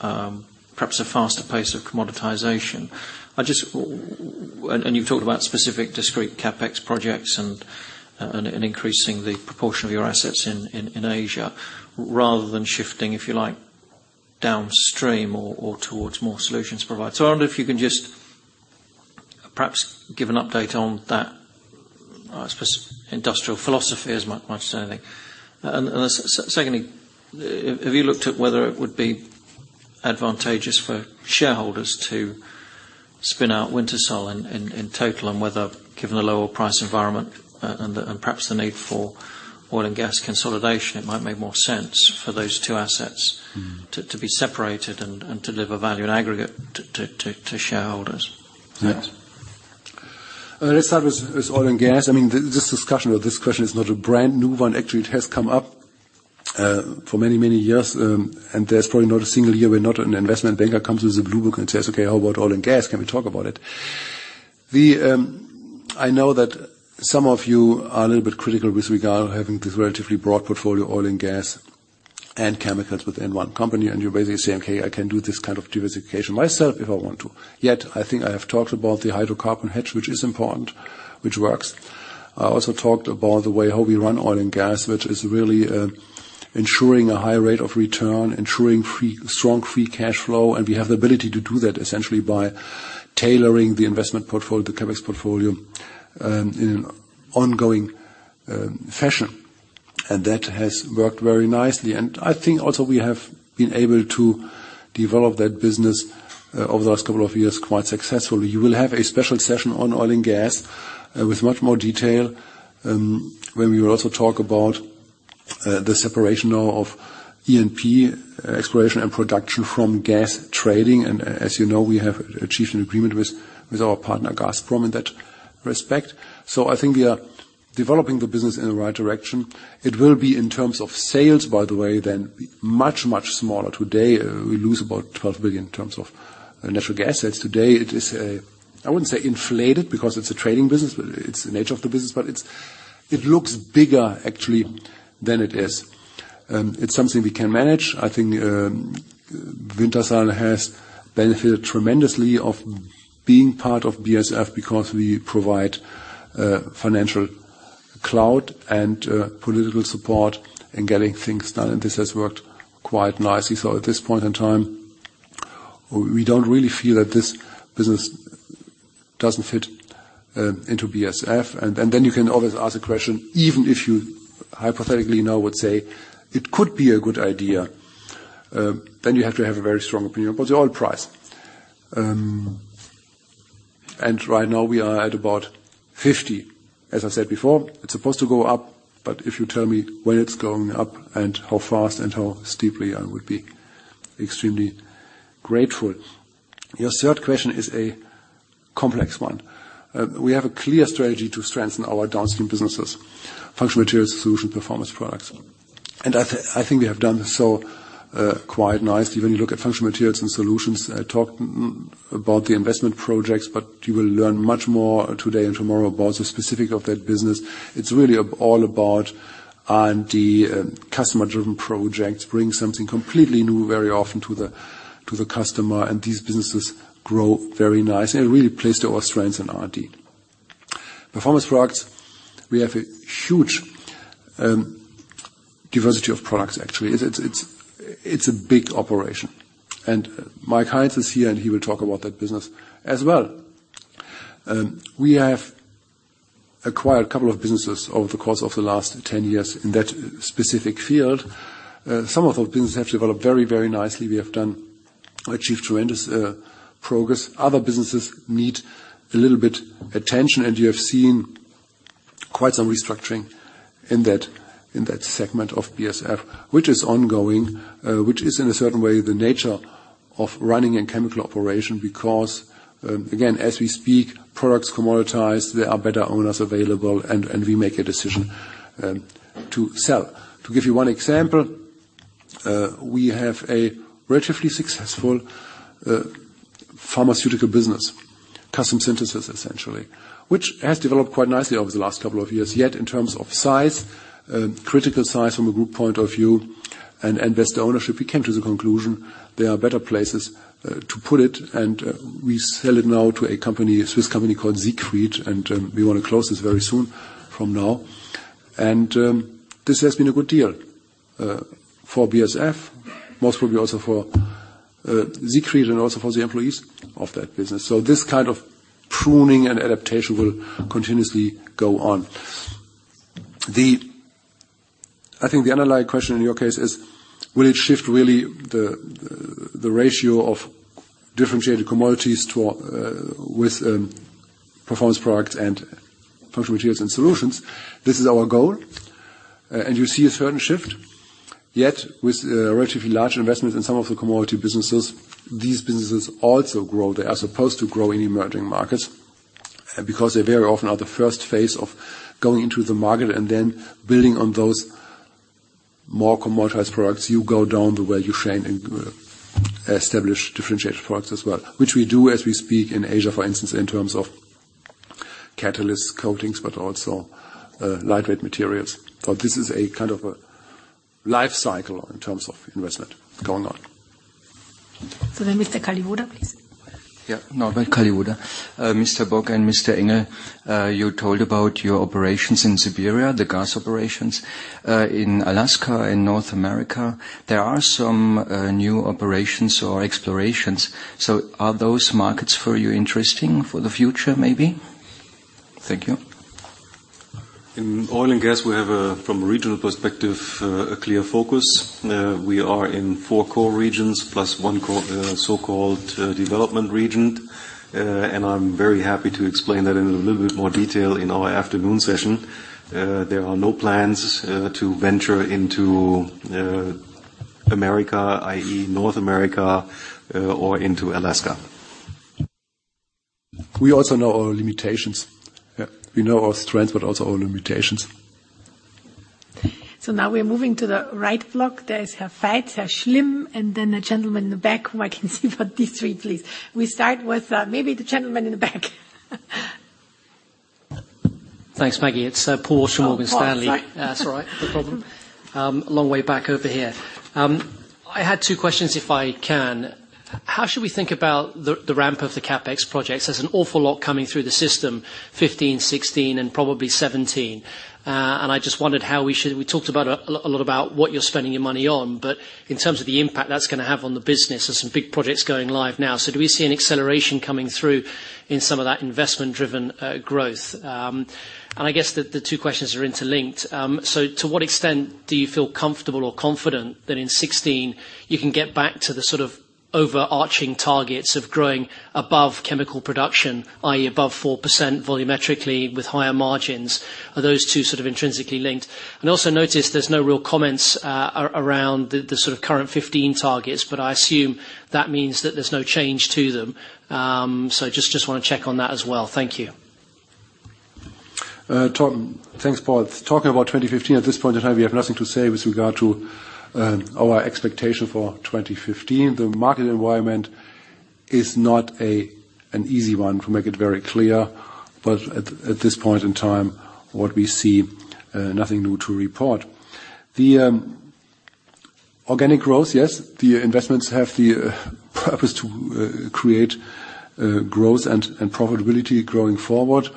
perhaps a faster pace of commoditization. You talked about specific discrete CapEx projects and increasing the proportion of your assets in Asia, rather than shifting, if you like, downstream or towards more solution providers. I wonder if you can just perhaps give an update on that, I suppose. Industrial philosophy is my term certainly. Secondly, have you looked at whether it would be advantageous for shareholders to spin out Wintershall in total and whether, given the lower price environment and perhaps the need for Oil & Gas consolidation, it might make more sense for those two assets? Mm-hmm. to be separated and to deliver value and aggregate to shareholders. Yes. Let's start with Oil & Gas. I mean, this discussion or this question is not a brand new one. Actually, it has come up for many, many years. There's probably not a single year where not an investment banker comes with a blue book and says, "Okay, how about Oil & Gas? Can we talk about it?" I know that some of you are a little bit critical with regard to having this relatively broad portfolio, Oil & Gas and chemicals within one company, and you're basically saying, "Okay, I can do this kind of diversification myself if I want to." Yet, I think I have talked about the hydrocarbon hedge, which is important, which works. I also talked about the way how we run Oil & Gas, which is really ensuring a high rate of return, ensuring strong free cash flow, and we have the ability to do that essentially by tailoring the investment portfolio, the CapEx portfolio, in an ongoing fashion. That has worked very nicely. I think also we have been able to develop that business over the last couple of years quite successfully. You will have a special session on Oil & Gas with much more detail, where we will also talk about the separation now of E&P, exploration and production from gas trading. As you know, we have achieved an agreement with our partner, Gazprom, in that respect. I think we are developing the business in the right direction. It will be in terms of sales, by the way, then much, much smaller. Today, we have about 12 billion in terms of natural gas assets. Today, it is a, I wouldn't say inflated because it's a trading business, but it's the nature of the business, but it looks bigger actually than it is. It's something we can manage. I think, Wintershall has benefited tremendously of being part of BASF because we provide, financial clout and, political support in getting things done, and this has worked quite nicely. At this point in time, we don't really feel that this business doesn't fit, into BASF. And then you can always ask a question, even if you hypothetically now would say, it could be a good idea, then you have to have a very strong opinion about the oil price. Right now we are at about $50. As I said before, it's supposed to go up, but if you tell me when it's going up and how fast and how steeply, I would be extremely grateful. Your third question is a complex one. We have a clear strategy to strengthen our downstream businesses, Functional Materials, Solutions, Performance Products. I think we have done so, quite nicely. When you look at Functional Materials and Solutions, I talked about the investment projects, but you will learn much more today and tomorrow about the specifics of that business. It's really all about R&D, customer-driven projects, bring something completely new very often to the customer, and these businesses grow very nicely and really plays to our strengths in R&D. Performance Products, we have a huge diversity of products actually. It's a big operation. Michael Heinz is here, and he will talk about that business as well. We have acquired a couple of businesses over the course of the last 10 years in that specific field. Some of those businesses have developed very, very nicely. We have achieved tremendous progress. Other businesses need a little bit attention, and you have seen quite some restructuring in that segment of BASF, which is ongoing, which is in a certain way the nature of running a chemical operation because, again, as we speak, products commoditize, there are better owners available and we make a decision to sell. To give you one example, we have a relatively successful pharmaceutical business, custom synthesis essentially, which has developed quite nicely over the last couple of years. Yet in terms of size, critical size from a group point of view and investor ownership, we came to the conclusion there are better places to put it, and we sell it now to a company, a Swiss company called Siegfried, and we want to close this very soon from now. This has been a good deal for BASF, most probably also for Siegfried and also for the employees of that business. This kind of pruning and adaptation will continuously go on. I think the underlying question in your case is, will it shift really the ratio of differentiated commodities to performance products and functional materials and solutions? This is our goal. You see a certain shift. Yet with a relatively large investment in some of the commodity businesses, these businesses also grow. They are supposed to grow in emerging markets because they very often are the first phase of going into the market and then building on those more commoditized products. You go down the value chain and establish differentiated products as well, which we do as we speak in Asia, for instance, in terms of catalyst coatings, but also lightweight materials. This is a kind of a life cycle in terms of investment going on. Mr. Kalliwoda, please. Yeah. Norbert Kalliwoda. Mr. Bock and Mr. Engel, you told about your operations in Siberia, the gas operations. In Alaska, in North America, there are some new operations or explorations. Are those markets for you interesting for the future, maybe? Thank you. In Oil & Gas, we have a clear focus from a regional perspective. We are in four core regions plus one core, so-called development region. I'm very happy to explain that in a little bit more detail in our afternoon session. There are no plans to venture into America, i.e., North America, or into Alaska. We also know our limitations. Yeah, we know our strengths, but also our limitations. Now we're moving to the right block. There is Faitz, Schulte, and then a gentleman in the back who I can see for these three, please. We start with, maybe the gentleman in the back. Thanks, Maggie. It's Paul Walsh from Morgan Stanley. Oh, Paul, sorry. That's all right. No problem. Long way back over here. I had two questions if I can. How should we think about the ramp of the CapEx projects? There's an awful lot coming through the system, 2015, 2016, and probably 2017. I just wondered how we should think about the impact that's gonna have on the business. We talked about a lot about what you're spending your money on, but in terms of the impact that's gonna have on the business, there's some big projects going live now. Do we see an acceleration coming through in some of that investment-driven growth? I guess the two questions are interlinked. To what extent do you feel comfortable or confident that in 2016 you can get back to the sort of overarching targets of growing above chemical production, i.e., above 4% volumetrically with higher margins? Are those two sort of intrinsically linked? Also noticed there's no real comments around the sort of current 2015 targets, but I assume that means that there's no change to them. Just want to check on that as well. Thank you. Thanks, Paul. Talking about 2015, at this point in time, we have nothing to say with regard to our expectation for 2015. The market environment is not an easy one, to make it very clear. At this point in time, what we see, nothing new to report. The organic growth, yes, the investments have the purpose to create growth and profitability going forward.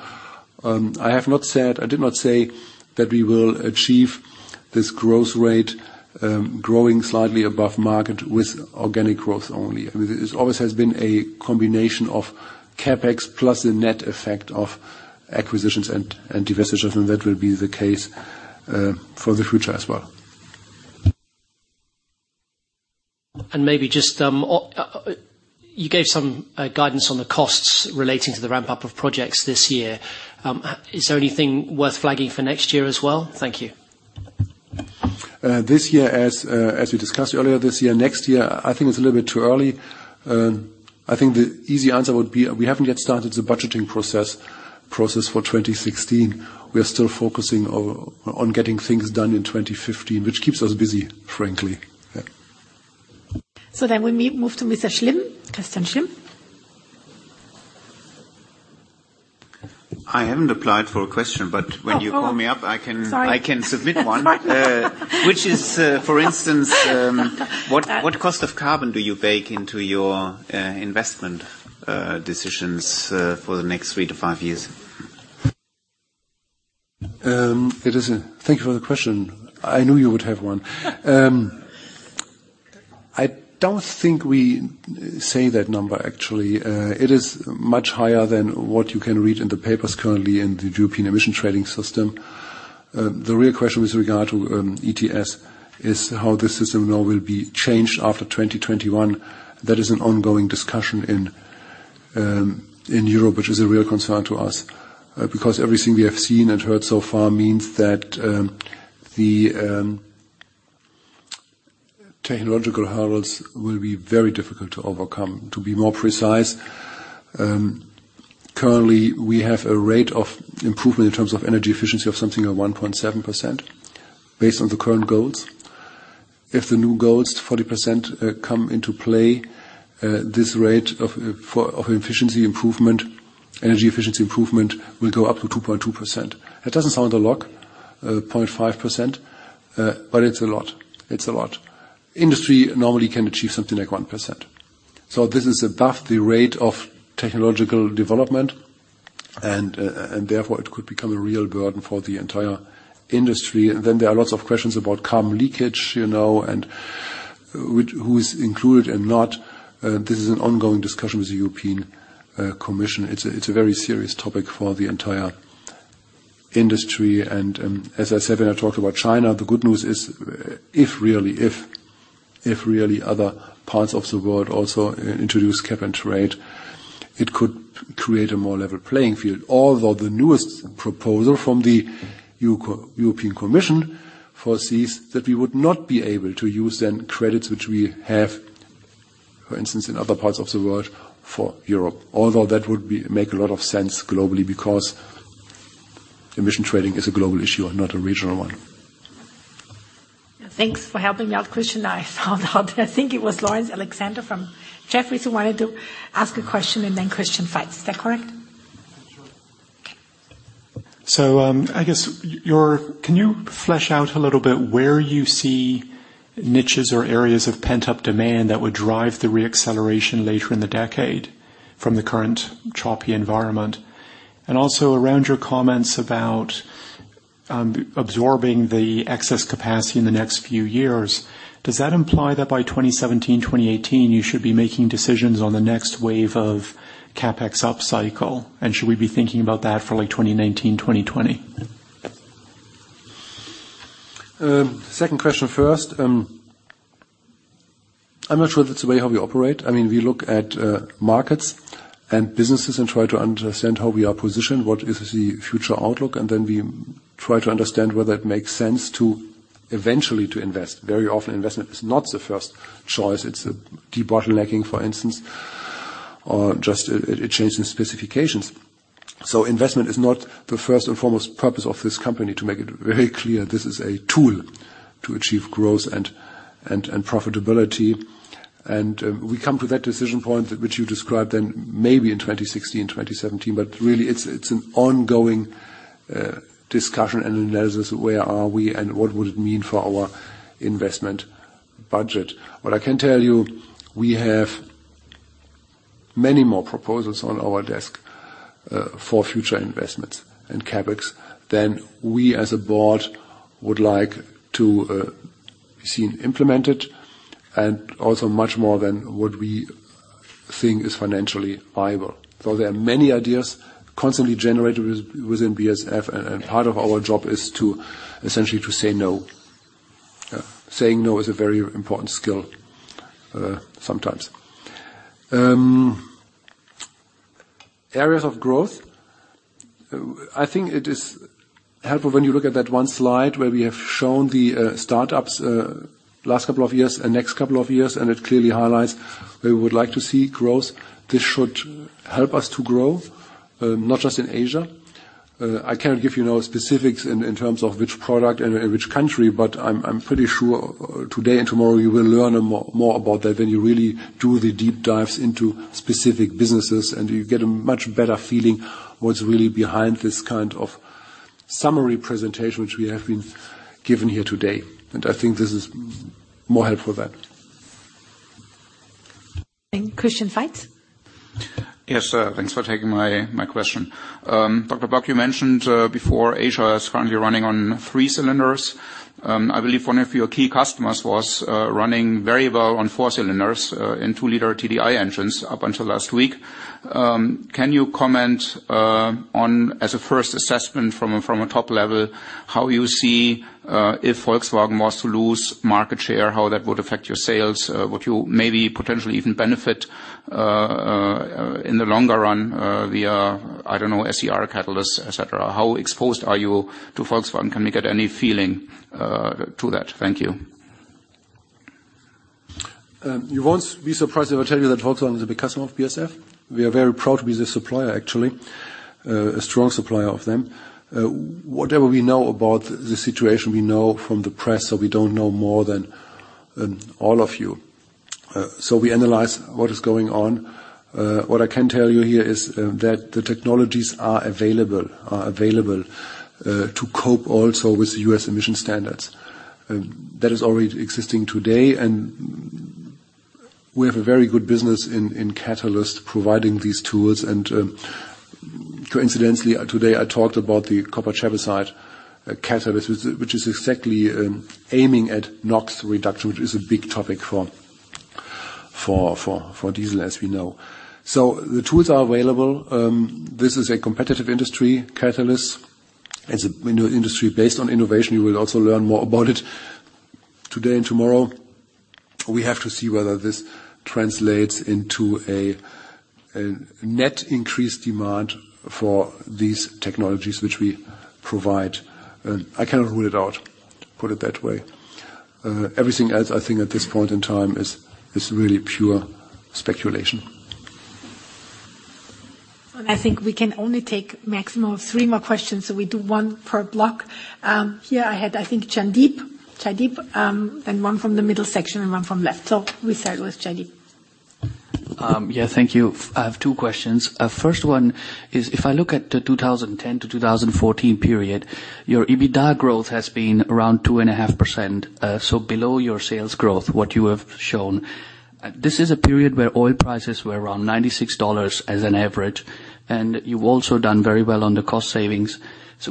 I have not said, I did not say that we will achieve this growth rate, growing slightly above market with organic growth only. I mean, this always has been a combination of CapEx plus the net effect of acquisitions and divestitures, and that will be the case for the future as well. Maybe just you gave some guidance on the costs relating to the ramp-up of projects this year. Is there anything worth flagging for next year as well? Thank you. This year, as we discussed earlier, this year. Next year, I think it's a little bit too early. I think the easy answer would be we haven't yet started the budgeting process for 2016. We are still focusing on getting things done in 2015, which keeps us busy, frankly. Yeah. We move to Mr. Schulte, Christian Schulte. I haven't asked a question, but when you call me up, I can. Sorry. I can submit one. Which is, for instance, what cost of carbon do you bake into your investment decisions for the next three to five years? Thank you for the question. I knew you would have one. I don't think we say that number, actually. It is much higher than what you can read in the papers currently in the European Union Emissions Trading System. The real question with regard to ETS is how the system now will be changed after 2021. That is an ongoing discussion in Europe, which is a real concern to us, because everything we have seen and heard so far means that the technological hurdles will be very difficult to overcome. To be more precise, currently, we have a rate of improvement in terms of energy efficiency of something of 1.7% based on the current goals. If the new goals, 40%, come into play, this rate of energy efficiency improvement will go up to 2.2%. It doesn't sound a lot, 0.5%, but it's a lot. Industry normally can achieve something like 1%. This is above the rate of technological development, and therefore it could become a real burden for the entire industry. There are lots of questions about carbon leakage, you know, and who is included and not. This is an ongoing discussion with the European Commission. It's a very serious topic for the entire industry. As I said, when I talked about China, the good news is if really other parts of the world also introduce cap-and-trade, it could create a more level playing field. Although the newest proposal from the European Commission foresees that we would not be able to use the credits which we have, for instance, in other parts of the world for Europe. Although that would make a lot of sense globally, because emissions trading is a global issue and not a regional one. Thanks for helping me out, Christian. I found out, I think it was Laurence Alexander from Jefferies who wanted to ask a question and then Christian Faitz. Is that correct? Sure. Okay. Can you flesh out a little bit where you see niches or areas of pent-up demand that would drive the re-acceleration later in the decade from the current choppy environment? And also around your comments about absorbing the excess capacity in the next few years, does that imply that by 2017, 2018, you should be making decisions on the next wave of CapEx upcycle? And should we be thinking about that for, like, 2019, 2020? Second question first. I'm not sure that's the way how we operate. I mean, we look at markets and businesses and try to understand how we are positioned, what is the future outlook, and then we try to understand whether it makes sense to eventually to invest. Very often, investment is not the first choice. It's a debottlenecking, for instance, or just a change in specifications. Investment is not the first and foremost purpose of this company, to make it very clear. This is a tool to achieve growth and profitability. We come to that decision point which you described then maybe in 2016, 2017, but really it's an ongoing discussion and analysis of where are we and what would it mean for our investment budget. What I can tell you, we have many more proposals on our desk for future investments and CapEx than we as a board would like to see implemented, and also much more than what we think is financially viable. There are many ideas constantly generated within BASF, and part of our job is essentially to say no. Saying no is a very important skill, sometimes. Areas of growth. I think it is helpful when you look at that one slide where we have shown the startups last couple of years and next couple of years, and it clearly highlights where we would like to see growth. This should help us to grow, not just in Asia. I cannot give you no specifics in terms of which product and in which country, but I'm pretty sure today and tomorrow you will learn more about that when you really do the deep dives into specific businesses and you get a much better feeling what's really behind this kind of summary presentation which we have been given here today. I think this is more helpful than. Christian Faitz. Yes, thanks for taking my question. Dr. Bock, you mentioned before Asia is currently running on three cylinders. I believe one of your key customers was running very well on four cylinders in two-liter TDI engines up until last week. Can you comment on, as a first assessment from a top level, how you see if Volkswagen was to lose market share, how that would affect your sales? Would you maybe potentially even benefit in the longer run via I don't know SCR catalysts, et cetera? How exposed are you to Volkswagen? Can we get any feeling to that? Thank you. You won't be surprised if I tell you that Volkswagen is a big customer of BASF. We are very proud to be their supplier, actually, a strong supplier of them. Whatever we know about the situation, we know from the press, so we don't know more than all of you. We analyze what is going on. What I can tell you here is that the technologies are available to cope also with the U.S. emission standards. That is already existing today, and we have a very good business in catalyst providing these tools. Coincidentally, today I talked about the copper chabazite catalyst which is exactly aiming at NOx reduction, which is a big topic for diesel, as we know. The tools are available. This is a competitive industry, catalysts. It's a window industry based on innovation. You will also learn more about it today and tomorrow. We have to see whether this translates into a net increased demand for these technologies which we provide. I cannot rule it out, put it that way. Everything else, I think at this point in time is really pure speculation. I think we can only take maximum of three more questions, so we do one per block. Here I had, I think, Jaideep. Jaideep, then one from the middle section and one from left. We start with Jaideep. Yeah, thank you. I have two questions. First one is, if I look at the 2010 to 2014 period, your EBITDA growth has been around 2.5%, so below your sales growth, what you have shown. This is a period where oil prices were around $96 as an average, and you've also done very well on the cost savings.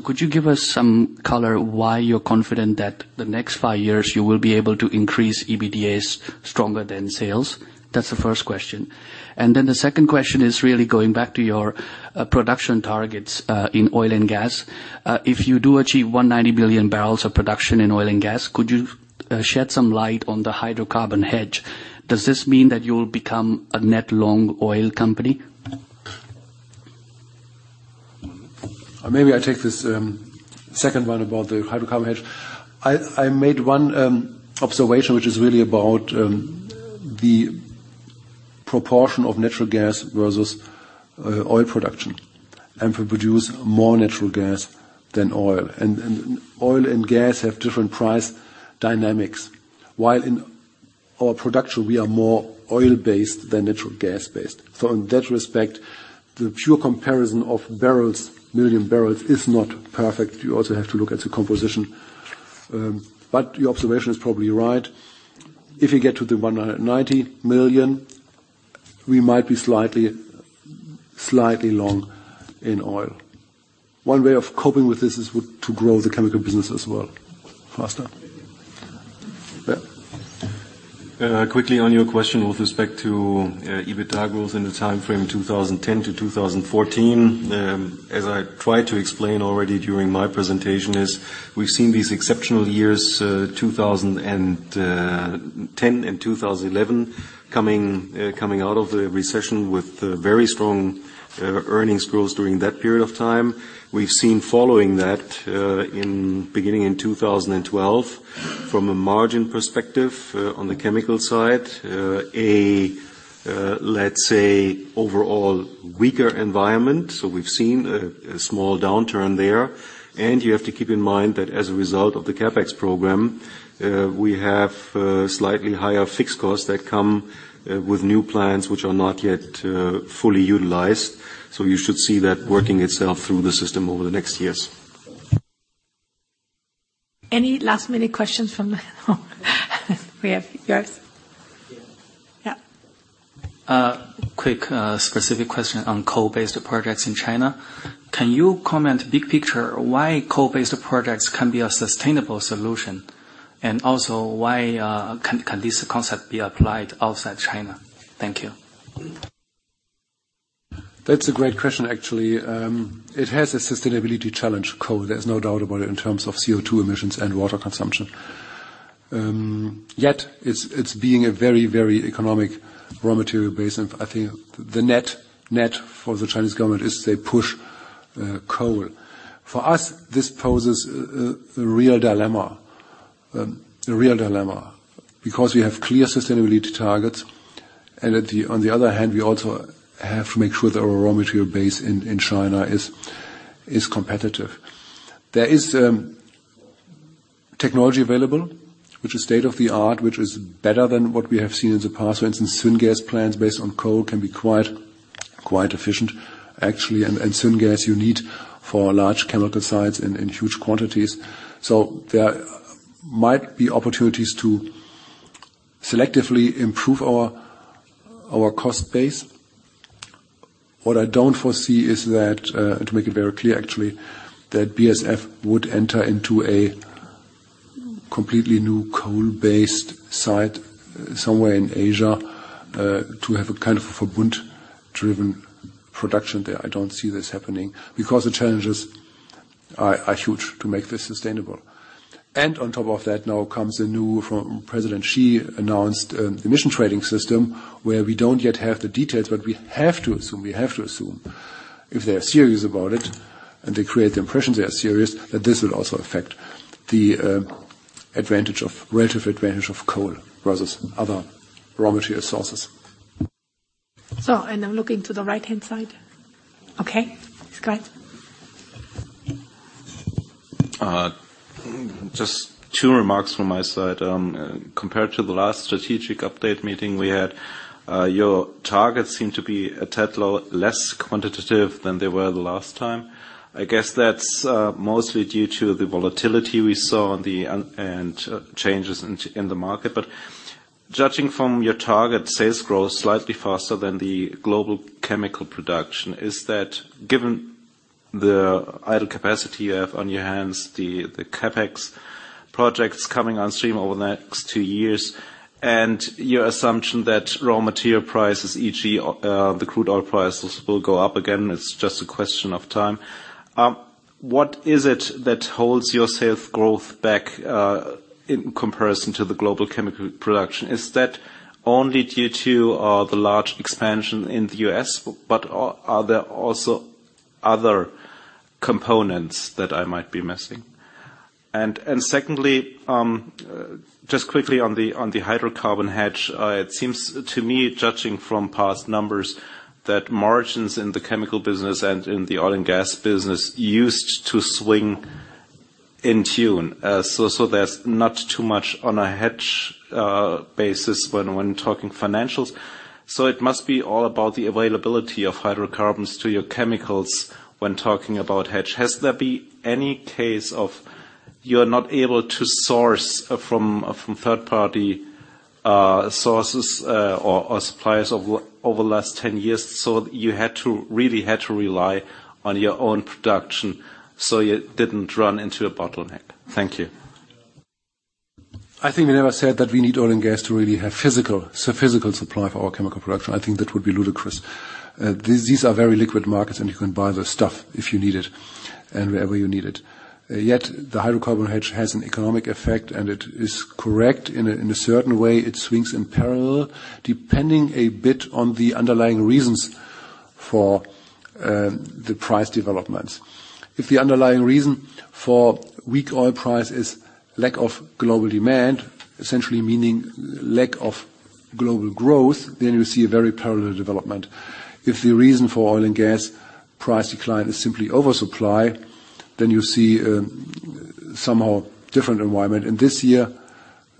Could you give us some color why you're confident that the next five years you will be able to increase EBITDA stronger than sales? That's the first question. Then the second question is really going back to your production targets in Oil & Gas. If you do achieve 190 billion barrels of production in Oil & Gas, could you shed some light on the hydrocarbon hedge? Does this mean that you'll become a net long oil company? Maybe I take this second one about the hydrocarbon hedge. I made one observation, which is really about the proportion of natural gas versus oil production. We produce more natural gas than oil. Oil & Gas have different price dynamics. While in our production we are more oil-based than natural gas-based. In that respect, the pure comparison of barrels, million barrels is not perfect. You also have to look at the composition. But your observation is probably right. If you get to the 190 million, we might be slightly long in oil. One way of coping with this is to grow the chemical business as well, faster. Yeah. Quickly on your question with respect to EBITDA growth in the timeframe 2010 to 2014. As I tried to explain already during my presentation, we've seen these exceptional years, 2010 and 2011, coming out of the recession with very strong earnings growth during that period of time. We've seen following that, beginning in 2012, from a margin perspective, on the chemical side, a let's say, overall weaker environment. We've seen a small downturn there. You have to keep in mind that as a result of the CapEx program, we have slightly higher fixed costs that come with new plants which are not yet fully utilized. You should see that working itself through the system over the next years. Any last-minute questions from the web. We have yours. Yeah. Yeah. Quick, specific question on coal-based projects in China. Can you comment big picture why coal-based projects can be a sustainable solution? Why can this concept be applied outside China? Thank you. That's a great question, actually. It has a sustainability challenge, coal. There's no doubt about it, in terms of CO₂ emissions and water consumption. Yet it's a very economic raw material base, and I think the net for the Chinese government is they push coal. For us, this poses a real dilemma, because we have clear sustainability targets. On the other hand, we also have to make sure that our raw material base in China is competitive. There is technology available which is state-of-the-art, which is better than what we have seen in the past. For instance, Syngas plants based on coal can be quite efficient actually. Syngas you need for large chemical sites in huge quantities. There might be opportunities to selectively improve our cost base. What I don't foresee is that, to make it very clear actually, that BASF would enter into a completely new coal-based site somewhere in Asia, to have a kind of a Verbund-driven production there. I don't see this happening because the challenges are huge to make this sustainable. On top of that now comes a new from President Xi announced emission trading system where we don't yet have the details, but we have to assume. If they're serious about it, and they create the impression they are serious, that this will also affect the relative advantage of coal versus other raw material sources. I'm looking to the right-hand side. Okay. It's great. Just two remarks from my side. Compared to the last strategic update meeting we had, your targets seem to be a tad less quantitative than they were the last time. I guess that's mostly due to the volatility we saw on the underlying and changes in the market. Judging from your target sales growth slightly faster than the global chemical production, given the idle capacity you have on your hands, the CapEx projects coming on stream over the next two years, and your assumption that raw material prices, e.g., the crude oil prices will go up again, it's just a question of time. What is it that holds your sales growth back in comparison to the global chemical production? Is that only due to the large expansion in the U.S., but are there also other components that I might be missing? Secondly, just quickly on the hydrocarbon hedge, it seems to me, judging from past numbers, that margins in the chemical business and in the Oil & Gas business used to swing in tune. There's not too much on a hedge basis when talking financials. It must be all about the availability of hydrocarbons to your chemicals when talking about hedge. Has there been any case of you're not able to source from third-party sources or suppliers over the last 10 years, so you had to really rely on your own production, so you didn't run into a bottleneck? Thank you. I think we never said that we need Oil & Gas to really have physical, so physical supply for our chemical production. I think that would be ludicrous. These are very liquid markets, and you can buy the stuff if you need it and wherever you need it. Yet the hydrocarbon hedge has an economic effect, and it is correct in a certain way, it swings in parallel, depending a bit on the underlying reasons for the price developments. If the underlying reason for weak oil price is lack of global demand, essentially meaning lack of global growth, then you see a very parallel development. If the reason for Oil & Gas price decline is simply oversupply, then you see somehow different environment. This year,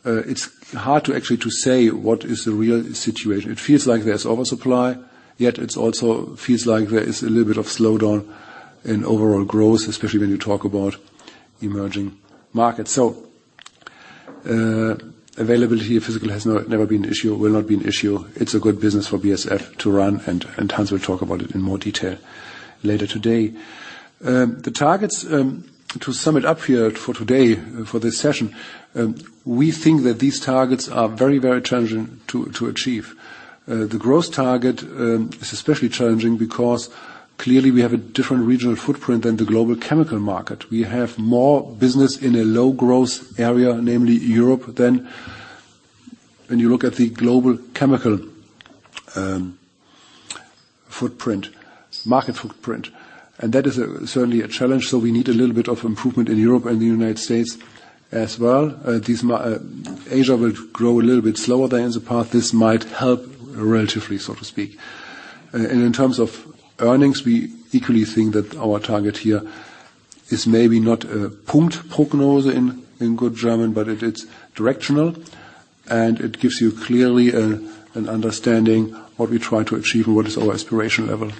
it's hard to actually say what is the real situation. It feels like there's oversupply, yet it also feels like there is a little bit of slowdown in overall growth, especially when you talk about emerging markets. Availability of physical has never been an issue, will not be an issue. It's a good business for BASF to run, and Hans will talk about it in more detail later today. The targets, to sum it up here for today, for this session, we think that these targets are very, very challenging to achieve. The growth target is especially challenging because clearly we have a different regional footprint than the global chemical market. We have more business in a low-growth area, namely Europe, than when you look at the global chemical footprint, market footprint, and that is certainly a challenge, so we need a little bit of improvement in Europe and the United States as well. Asia will grow a little bit slower than in the past. This might help relatively, so to speak. In terms of earnings, we equally think that our target here is maybe not a Punktprognose in good German, but it is directional, and it gives you clearly an understanding what we try to achieve and what is our aspiration level.